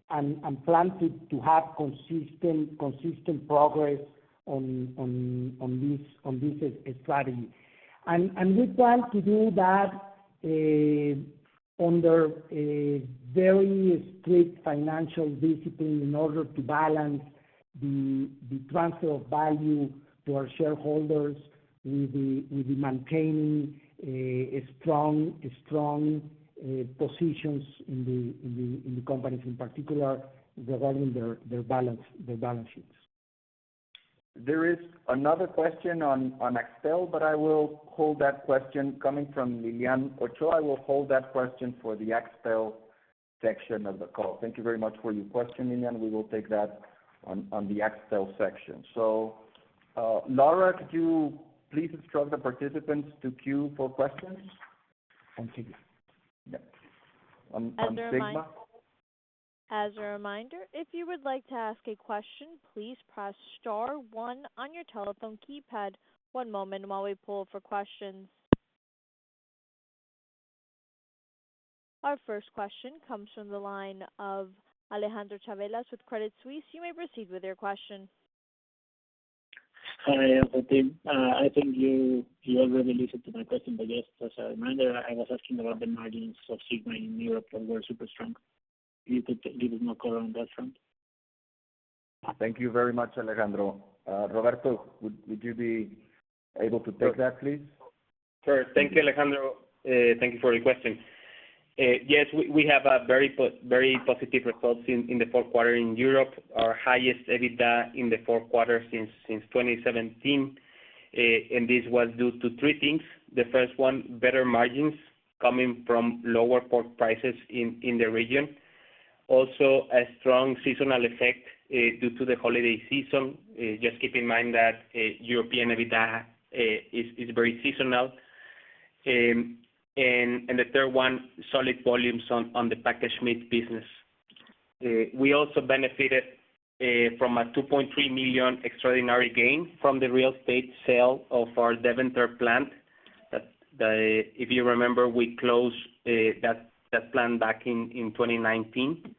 and plan to have consistent progress on this strategy. We plan to do that under a very strict financial discipline in order to balance the transfer of value to our shareholders with the maintaining a strong positions in the companies, in particular regarding their balance sheets. There is another question on Axtel, but I will hold that question coming from Lilian Ochoa. I will hold that question for the Axtel section of the call. Thank you very much for your question, Lilian. We will take that on the Axtel section. Laura, could you please instruct the participants to queue for questions? On Sigma? As a reminder, if you would like to ask a question, please press star one on your telephone keypad. One moment while we poll for questions. Our first question comes from the line of Alejandro Chavelas with Credit Suisse. You may proceed with your question. Hi, the team. I think you already listened to my question. Just as a reminder, I was asking about the margins of Sigma in Europe that were super strong. If you could give us more color on that front? Thank you very much, Alejandro. Roberto, would you be able to take that, please? Sure. Thank you, Alejandro. Thank you for your question. Yes, we have very positive results in the fourth quarter in Europe. Our highest EBITDA in the fourth quarter since 2017. This was due to three things. The first one, better margins coming from lower pork prices in the region. Also, a strong seasonal effect due to the holiday season. Just keep in mind that European EBITDA is very seasonal. The third one, solid volumes on the packaged meat business. We also benefited from a 2.3 million extraordinary gain from the real estate sale of our Deventer plant. If you remember, we closed that plant back in 2019.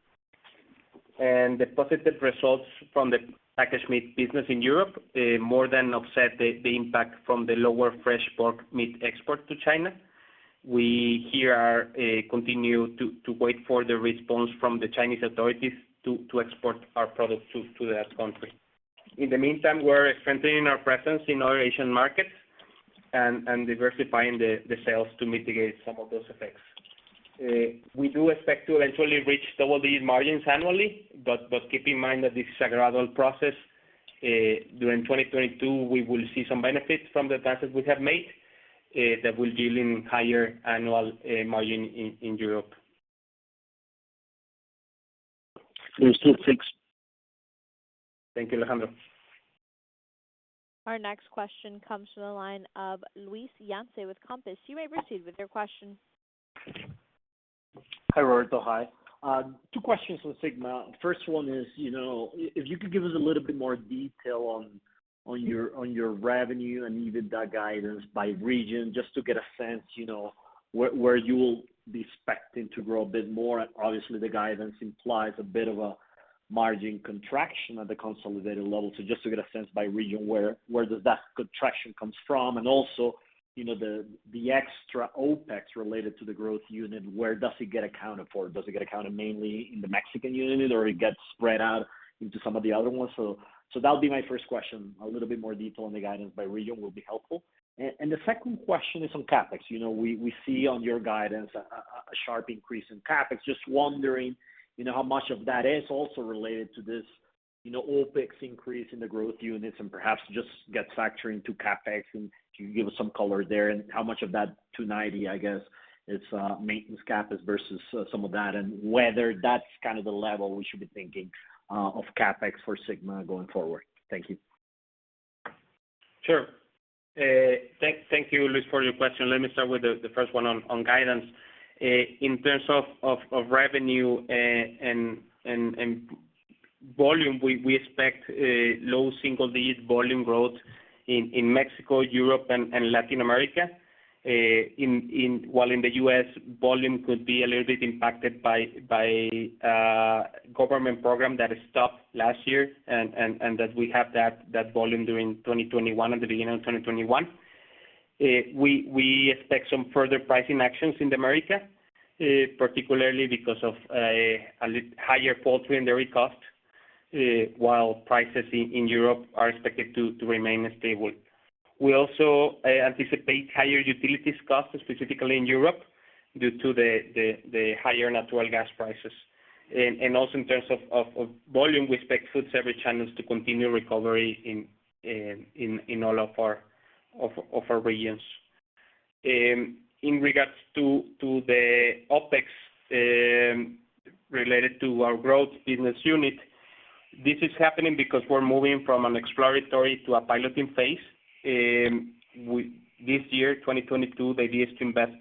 The positive results from the packaged meat business in Europe more than offset the impact from the lower fresh pork meat export to China. We continue to wait for the response from the Chinese authorities to export our products to that country. In the meantime, we're strengthening our presence in other Asian markets and diversifying the sales to mitigate some of those effects. We do expect to eventually reach double-digit margins annually, but keep in mind that this is a gradual process. During 2022, we will see some benefits from the progress we have made that will yield higher annual margin in Europe. Thanks. Thank you, Alejandro. Our next question comes from the line of Luis Yance with Compass. You may proceed with your question. Hi, Roberto. Hi. Two questions on Sigma. First one is, you know, if you could give us a little bit more detail on your revenue and EBITDA guidance by region, just to get a sense, you know, where you will be expecting to grow a bit more. Obviously the guidance implies a bit of a margin contraction at the consolidated level. Just to get a sense by region where does that contraction comes from? Also, you know, the extra OpEx related to the growth unit, where does it get accounted for? Does it get accounted mainly in the Mexican unit or it gets spread out into some of the other ones? That would be my first question. A little bit more detail on the guidance by region will be helpful. The second question is on CapEx. You know, we see on your guidance a sharp increase in CapEx. Just wondering, you know, how much of that is also related to this, you know, OpEx increase in the growth units and perhaps just getting factored into CapEx. Can you give us some color there and how much of that 290, I guess, is maintenance CapEx versus some of that, and whether that's kind of the level we should be thinking of CapEx for Sigma going forward. Thank you. Sure. Thank you, Luis, for your question. Let me start with the first one on guidance. In terms of revenue and volume, we expect low single digit volume growth in Mexico, Europe, and Latin America. While in the U.S., volume could be a little bit impacted by government program that has stopped last year and that we have that volume during 2021, at the beginning of 2021. We expect some further pricing actions in America, particularly because of higher poultry and dairy costs, while prices in Europe are expected to remain stable. We also anticipate higher utilities costs, specifically in Europe due to the higher natural gas prices. Also in terms of volume, we expect food service channels to continue recovery in all of our regions. In regards to the OpEx related to our growth business unit, this is happening because we're moving from an exploratory to a piloting phase. This year, 2022, the idea is to invest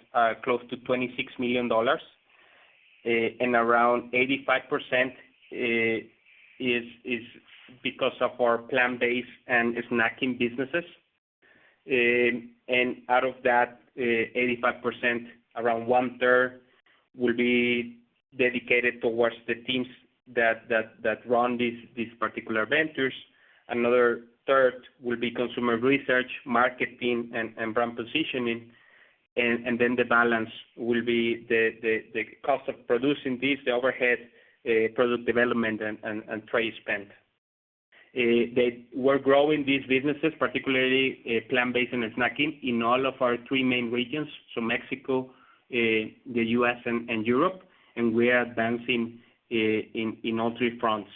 close to $26 million. And around 85% is because of our plant-based and snacking businesses. And out of that 85%, around one-third will be dedicated towards the teams that run these particular ventures. Another third will be consumer research, marketing, and brand positioning. The balance will be the cost of producing these, the overhead, product development and trade spend. We're growing these businesses, particularly plant-based and snacking in all of our three main regions, so Mexico, the U.S. and Europe, and we are advancing in all three fronts.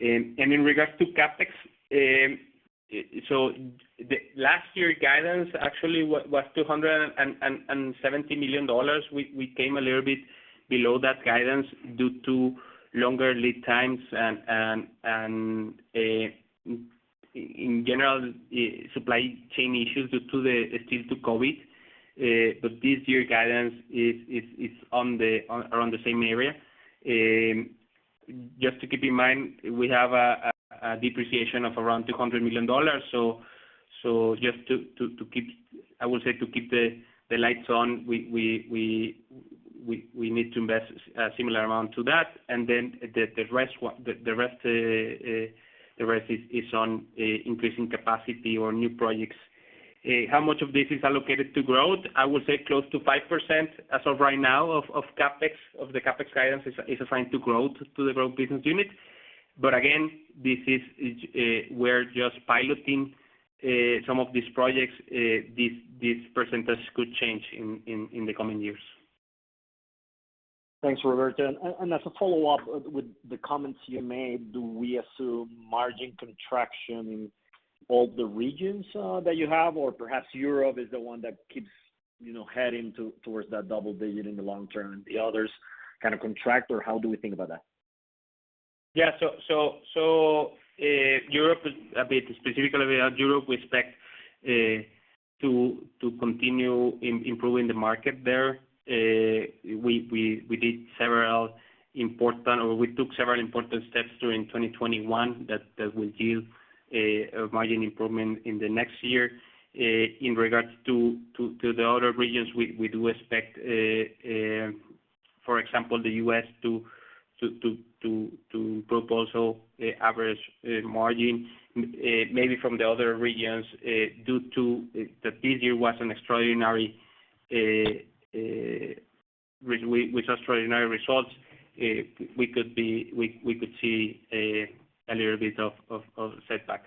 In regards to CapEx, the last year guidance actually was $270 million. We came a little bit below that guidance due to longer lead times and in general supply chain issues due to still due to COVID. But this year guidance is around the same area. Just to keep in mind, we have a depreciation of around $200 million. Just to keep I would say to keep the lights on, we need to invest a similar amount to that. The rest is on increasing capacity or new projects. How much of this is allocated to growth? I would say close to 5% as of right now of the CapEx guidance is assigned to growth, to the growth business unit. Again, we're just piloting some of these projects. This percentage could change in the coming years. Thanks, Roberto. As a follow-up with the comments you made, do we assume margin contraction in all the regions that you have? Or perhaps Europe is the one that keeps, you know, heading towards that double digit in the long term, the others kind of contract? Or how do we think about that? Specifically, Europe, we expect to continue improving the market there. We took several important steps during 2021 that will yield a margin improvement in the next year. In regard to the other regions, we do expect, for example, the U.S. to also post average margins maybe from the other regions due to the previous year was an extraordinary year with extraordinary results, we could see a little bit of setback.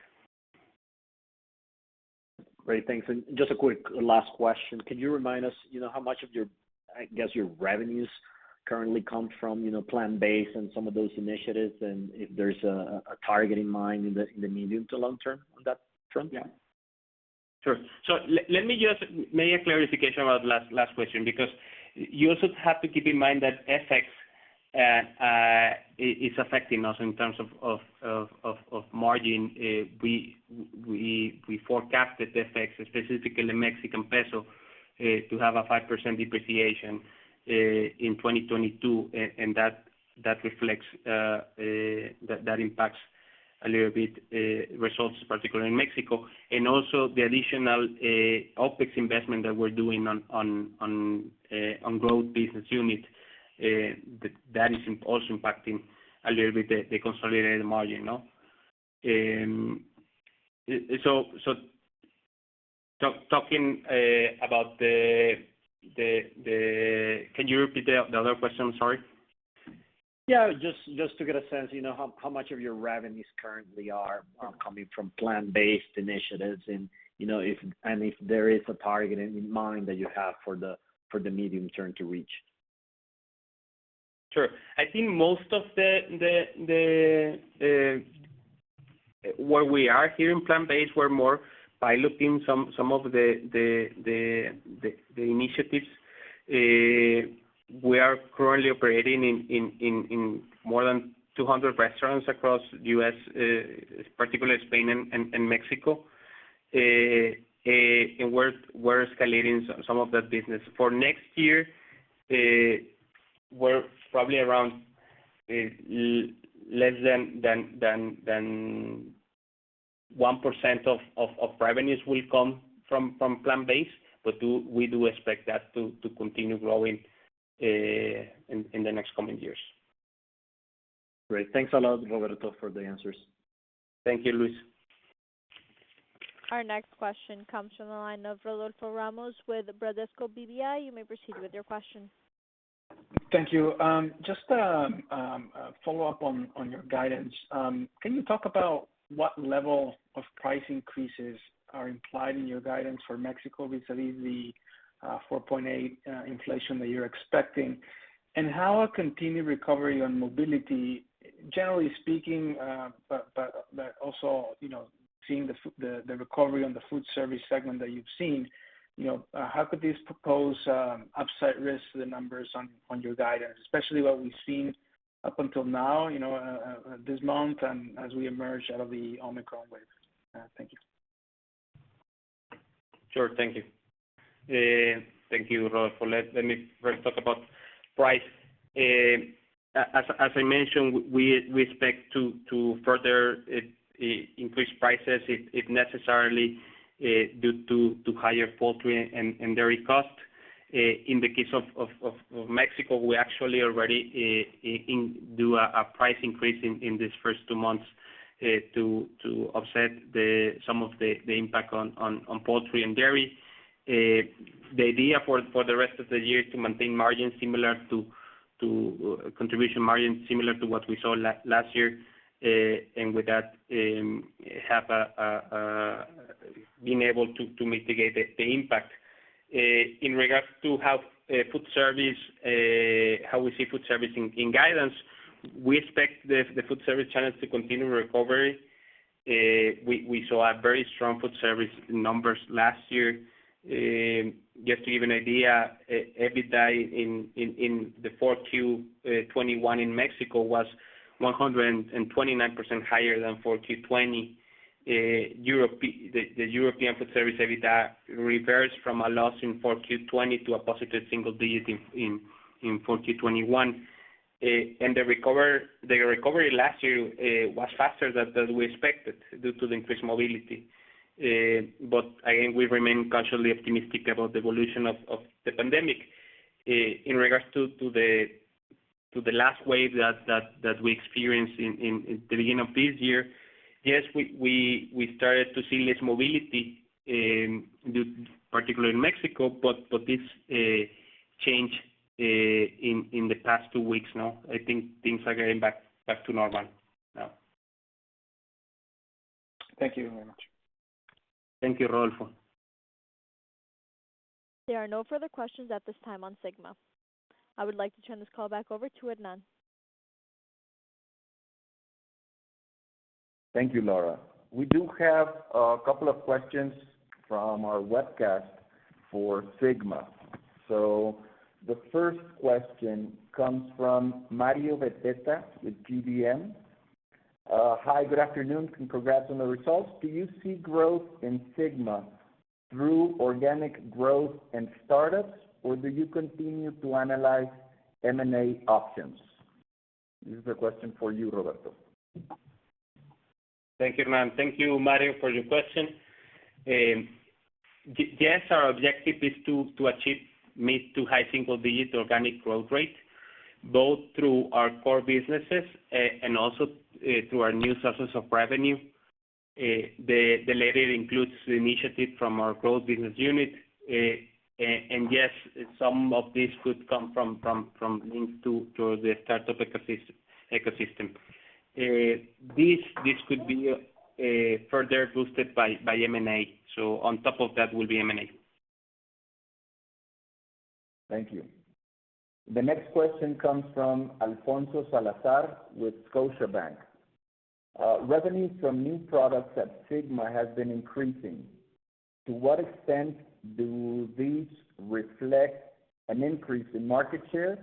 Great. Thanks. Just a quick last question. Can you remind us, you know, how much of your, I guess, your revenues currently come from, you know, plant-based and some of those initiatives? And if there's a target in mind in the, in the medium to long term on that front? Yeah. Sure. Let me just make a clarification about last question, because you also have to keep in mind that FX is affecting us in terms of margin. We forecasted FX, specifically Mexican peso, to have a 5% depreciation in 2022, and that reflects that impacts a little bit results, particularly in Mexico. Also the additional OpEx investment that we're doing on growth business unit, that is also impacting a little bit the consolidated margin, you know? Can you repeat the other question? Sorry. Yeah. Just to get a sense, you know, how much of your revenues currently are coming from plant-based initiatives and, you know, if there is a target in mind that you have for the medium term to reach? Sure. I think most of where we are here in plant-based, we're more piloting some of the initiatives. We are currently operating in more than 200 restaurants across U.S., particularly Spain and Mexico. And we're escalating some of that business. For next year, we're probably around less than 1% of revenues will come from plant-based, but we do expect that to continue growing in the next coming years. Great. Thanks a lot, Roberto, for the answers. Thank you, Luis. Our next question comes from the line of Rodolfo Ramos with Bradesco BBI. You may proceed with your question. Thank you. Just a follow-up on your guidance. Can you talk about what level of price increases are implied in your guidance for Mexico vis-a-vis the 4.8% inflation that you're expecting? How a continued recovery on mobility, generally speaking, but also, you know, seeing the recovery on the food service segment that you've seen, you know, this month and as we emerge out of the Omicron wave. Thank you. Sure. Thank you. Thank you, Rodolfo. Let me first talk about price. As I mentioned, we expect to further increase prices if necessary due to higher poultry and dairy costs. In the case of Mexico, we actually already did a price increase in these first two months to offset some of the impact on poultry and dairy. The idea for the rest of the year is to maintain contribution margins similar to what we saw last year. With that, being able to mitigate the impact. In regards to how food service, how we see food service in guidance, we expect the food service channels to continue recovery. We saw a very strong food service numbers last year. Just to give you an idea, EBITDA in the 4Q 2021 in Mexico was 129% higher than 4Q 2020. The European food service EBITDA reversed from a loss in 4Q 2020 to a positive single digit in 4Q 2021. The recovery last year was faster than we expected due to the increased mobility. Again, we remain cautiously optimistic about the evolution of the pandemic. In regards to the last wave that we experienced in the beginning of this year, yes, we started to see less mobility due, particularly in Mexico, but this changed in the past two weeks now. I think things are getting back to normal now. Thank you very much. Thank you, Rodolfo. There are no further questions at this time on Sigma. I would like to turn this call back over to Hernán. Thank you, Laura. We do have a couple of questions from our webcast for Sigma. The first question comes from Mario Veytia with GBM. Hi, good afternoon, and congrats on the results. Do you see growth in Sigma through organic growth and startups, or do you continue to analyze M&A options? This is a question for you, Roberto. Thank you, Hernán. Thank you, Mario, for your question. Yes, our objective is to achieve mid- to high single-digit organic growth rate, both through our core businesses and also through our new sources of revenue. The latter includes the initiative from our growth business unit. And yes, some of this could come from into to the startup ecosystem. This could be further boosted by M&A. On top of that will be M&A. Thank you. The next question comes from Alfonso Salazar with Scotiabank. Revenues from new products at Sigma has been increasing. To what extent do these reflect an increase in market share,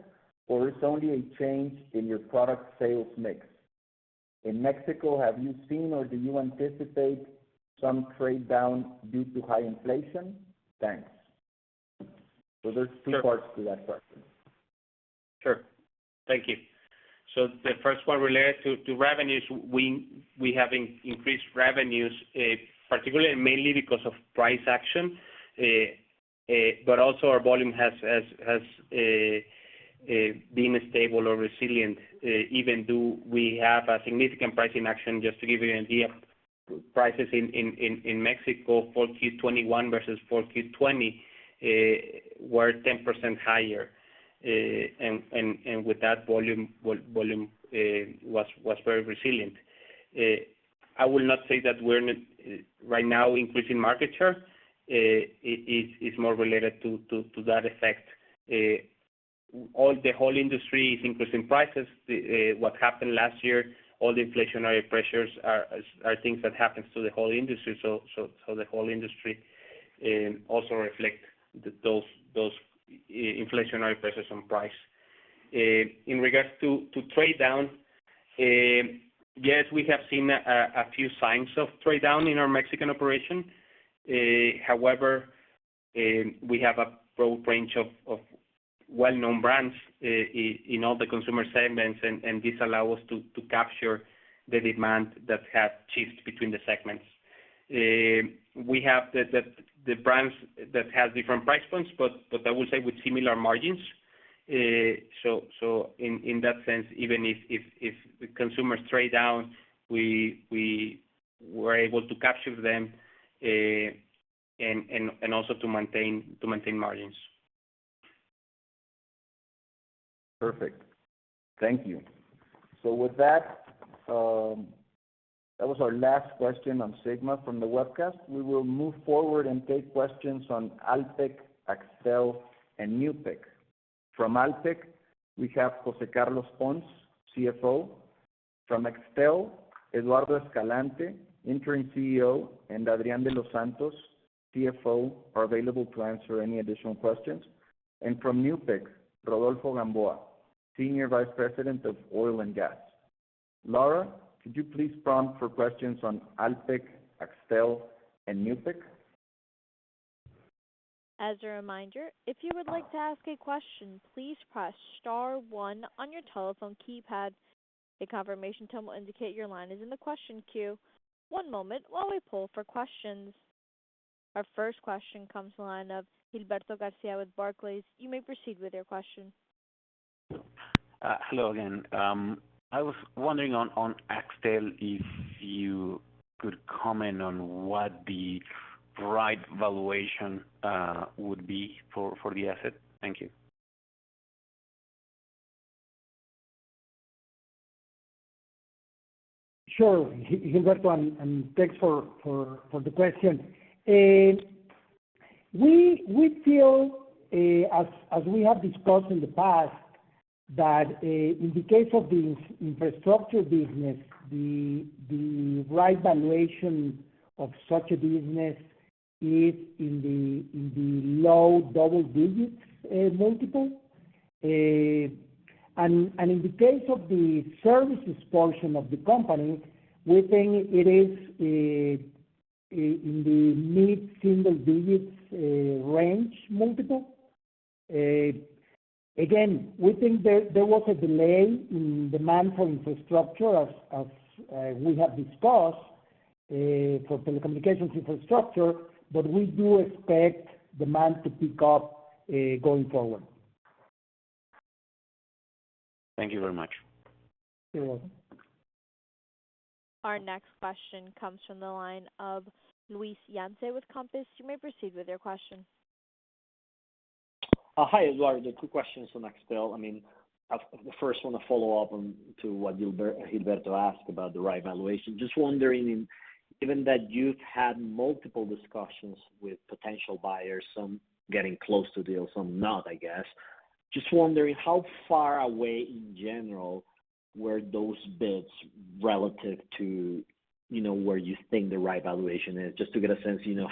or it's only a change in your product sales mix? In Mexico, have you seen or do you anticipate some trade down due to high inflation? Thanks. There's two parts to that question. Sure. Thank you. The first one related to revenues, we have increased revenues, particularly and mainly because of price action. Our volume has been stable or resilient, even though we have a significant pricing action. Just to give you an idea, prices in Mexico for Q 2021 versus Q 2020 were 10% higher. With that, volume was very resilient. I will not say that we're not right now increasing market share. It is more related to that effect, the whole industry is increasing prices. What happened last year, all the inflationary pressures are things that happens to the whole industry. The whole industry also reflects those inflationary pressures on price. In regards to trade down, yes, we have seen a few signs of trade down in our Mexican operation. However, we have a broad range of well-known brands in all the consumer segments, and this allows us to capture the demand that has shifted between the segments. We have the brands that have different price points, but I would say with similar margins. In that sense, even if the consumers trade down, we were able to capture them, and also to maintain margins. Perfect. Thank you. With that was our last question on Sigma from the webcast. We will move forward and take questions on Alpek, Axtel and Newpek. From Alpek, we have José Carlos Pons, CFO. From Axtel, Eduardo Escalante, Interim CEO, and Adrián de los Santos, CFO, are available to answer any additional questions. From Newpek, Rodolfo Gamboa, Senior Vice President of Oil and Gas. Laura, could you please prompt for questions on Alpek, Axtel and Newpek? As a reminder, if you would like to ask a question, please press star one on your telephone keypad. A confirmation tone will indicate your line is in the question queue. One moment while we poll for questions. Our first question comes from the line of Gilberto García with Barclays. You may proceed with your question. Hello again. I was wondering on Axtel if you could comment on what the right valuation would be for the asset. Thank you. Sure. Gilberto, and thanks for the question. We feel, as we have discussed in the past that, in the case of the infrastructure business, the right valuation of such a business is in the low double digits multiple. And in the case of the services portion of the company, we think it is in the mid-single digits range multiple. Again, we think there was a delay in demand for infrastructure as we have discussed for telecommunications infrastructure, but we do expect demand to pick up going forward. Thank you very much. You're welcome. Our next question comes from the line of Luis Yance with Compass. You may proceed with your question. Hi, Eduardo. Two questions on Axtel. I mean, first one, a follow-up on what Gilberto asked about the right valuation. Just wondering, given that you've had multiple discussions with potential buyers, some getting close to deal, some not, I guess. Just wondering how far away in general were those bids relative to, you know, where you think the right valuation is, just to get a sense, you know,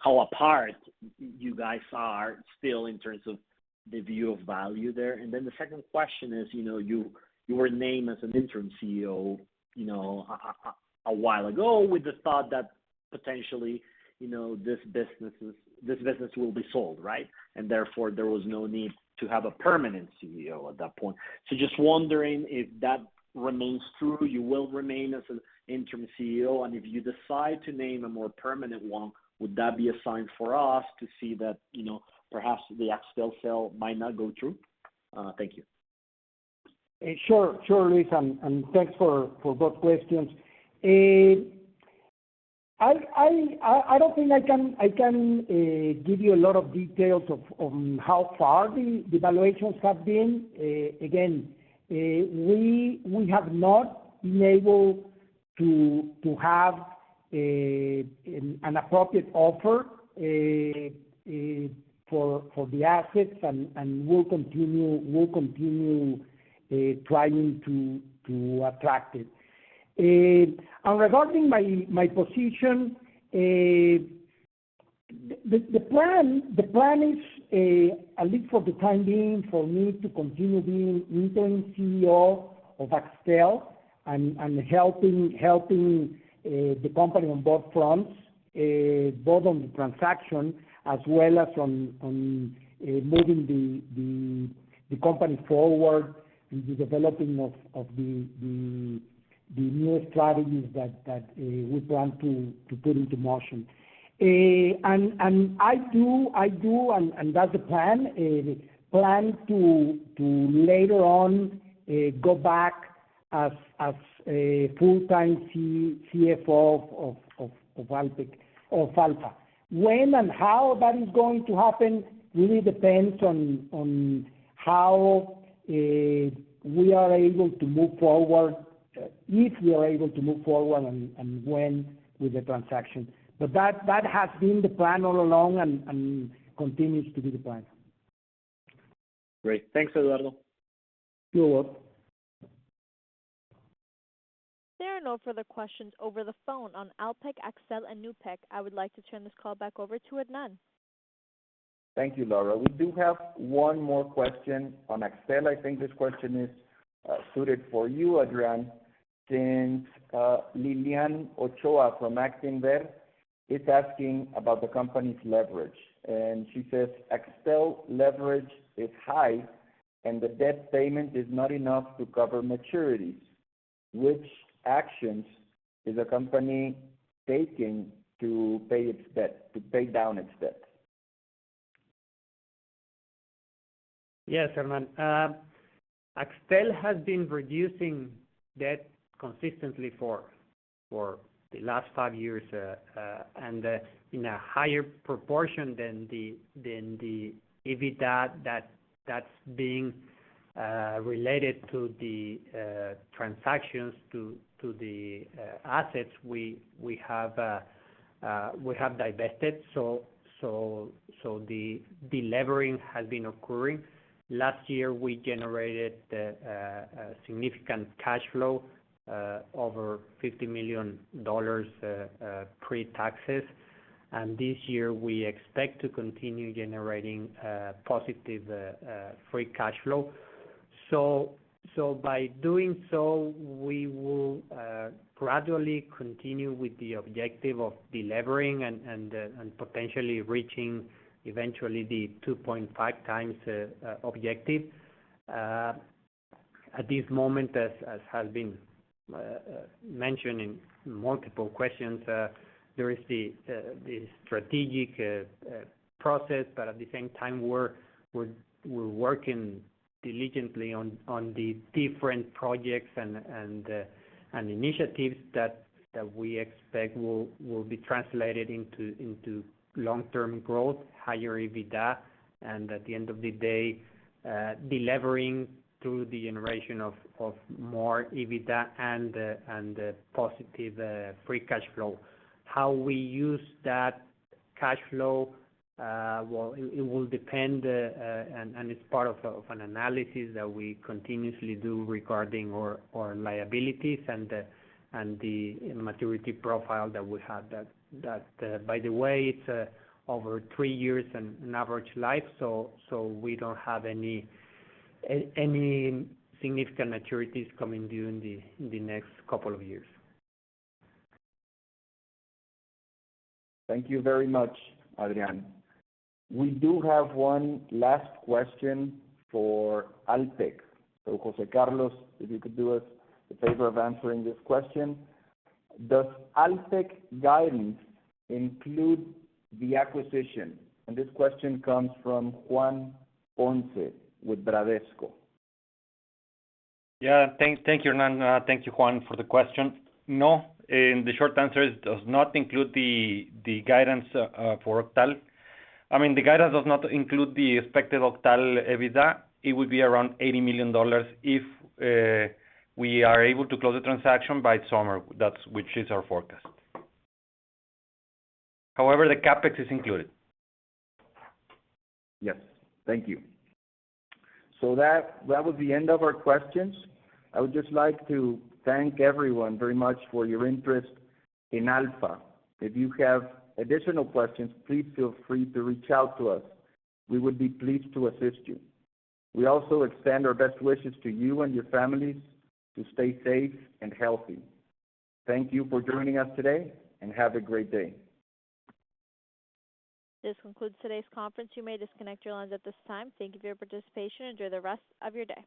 how apart you guys are still in terms of the view of value there? And then the second question is, you know, you were named as an Interim CEO, you know, a while ago with the thought that potentially, you know, this business will be sold, right? Therefore, there was no need to have a permanent CEO at that point. Just wondering if that remains true, you will remain as an interim CEO, and if you decide to name a more permanent one, would that be a sign for us to see that, you know, perhaps the Axtel sale might not go through? Thank you. Sure, Luis. Thanks for both questions. I don't think I can give you a lot of details on how far the valuations have been. Again, we have not been able to have an appropriate offer for the assets and we'll continue trying to attract it. Regarding my position, the plan is at least for the time being for me to continue being interim CEO of Axtel and helping the company on both fronts, both on the transaction as well as on moving the company forward in the developing of the new strategies that we plan to put into motion. That's the plan to later on go back as a full-time CFO of Alpek or Alfa. When and how that is going to happen really depends on how we are able to move forward, if we are able to move forward and when with the transaction. That has been the plan all along and continues to be the plan. Great. Thanks, Eduardo. You're welcome. There are no further questions over the phone on Alpek, Axtel and Newpek. I would like to turn this call back over to Hernán. Thank you, Laura. We do have one more question on Axtel. I think this question is suited for you, Adrián, since Lilian Ochoa from Actinver is asking about the company's leverage. She says Axtel leverage is high and the debt payment is not enough to cover maturities. Which actions is the company taking to pay its debt, to pay down its debt? Yes, Hernán. Axtel has been reducing debt consistently for the last five years and in a higher proportion than the EBITDA that's being related to the transactions to the assets we have divested. The delevering has been occurring. Last year, we generated a significant cash flow over $50 million pre-tax. This year, we expect to continue generating positive free cash flow. By doing so, we will gradually continue with the objective of delevering and potentially reaching eventually the 2.5 times objective. At this moment, as has been mentioned in multiple questions, there is the strategic process, but at the same time, we're working diligently on the different projects and initiatives that we expect will be translated into long-term growth, higher EBITDA. At the end of the day, delevering through the generation of more EBITDA and positive free cash flow. How we use that cash flow, well, it will depend and it's part of an analysis that we continuously do regarding our liabilities and the maturity profile that we have. That, by the way, it's over three years an average life. We don't have any significant maturities coming due in the next couple of years. Thank you very much, Adrián. We do have one last question for Alpek. José Carlos, if you could do us the favor of answering this question. Does Alpek guidance include the acquisition? This question comes from Juan Ponce with Bradesco. Yeah. Thank you, Hernán. Thank you, Juan, for the question. No, the short answer is, it does not include the guidance for Octal. I mean, the guidance does not include the expected Octal EBITDA. It would be around $80 million if we are able to close the transaction by summer. That's our forecast. However, the CapEx is included. Yes. Thank you. That was the end of our questions. I would just like to thank everyone very much for your interest in Alfa. If you have additional questions, please feel free to reach out to us. We would be pleased to assist you. We also extend our best wishes to you and your families to stay safe and healthy. Thank you for joining us today, and have a great day. This concludes today's conference. You may disconnect your lines at this time. Thank you for your participation. Enjoy the rest of your day.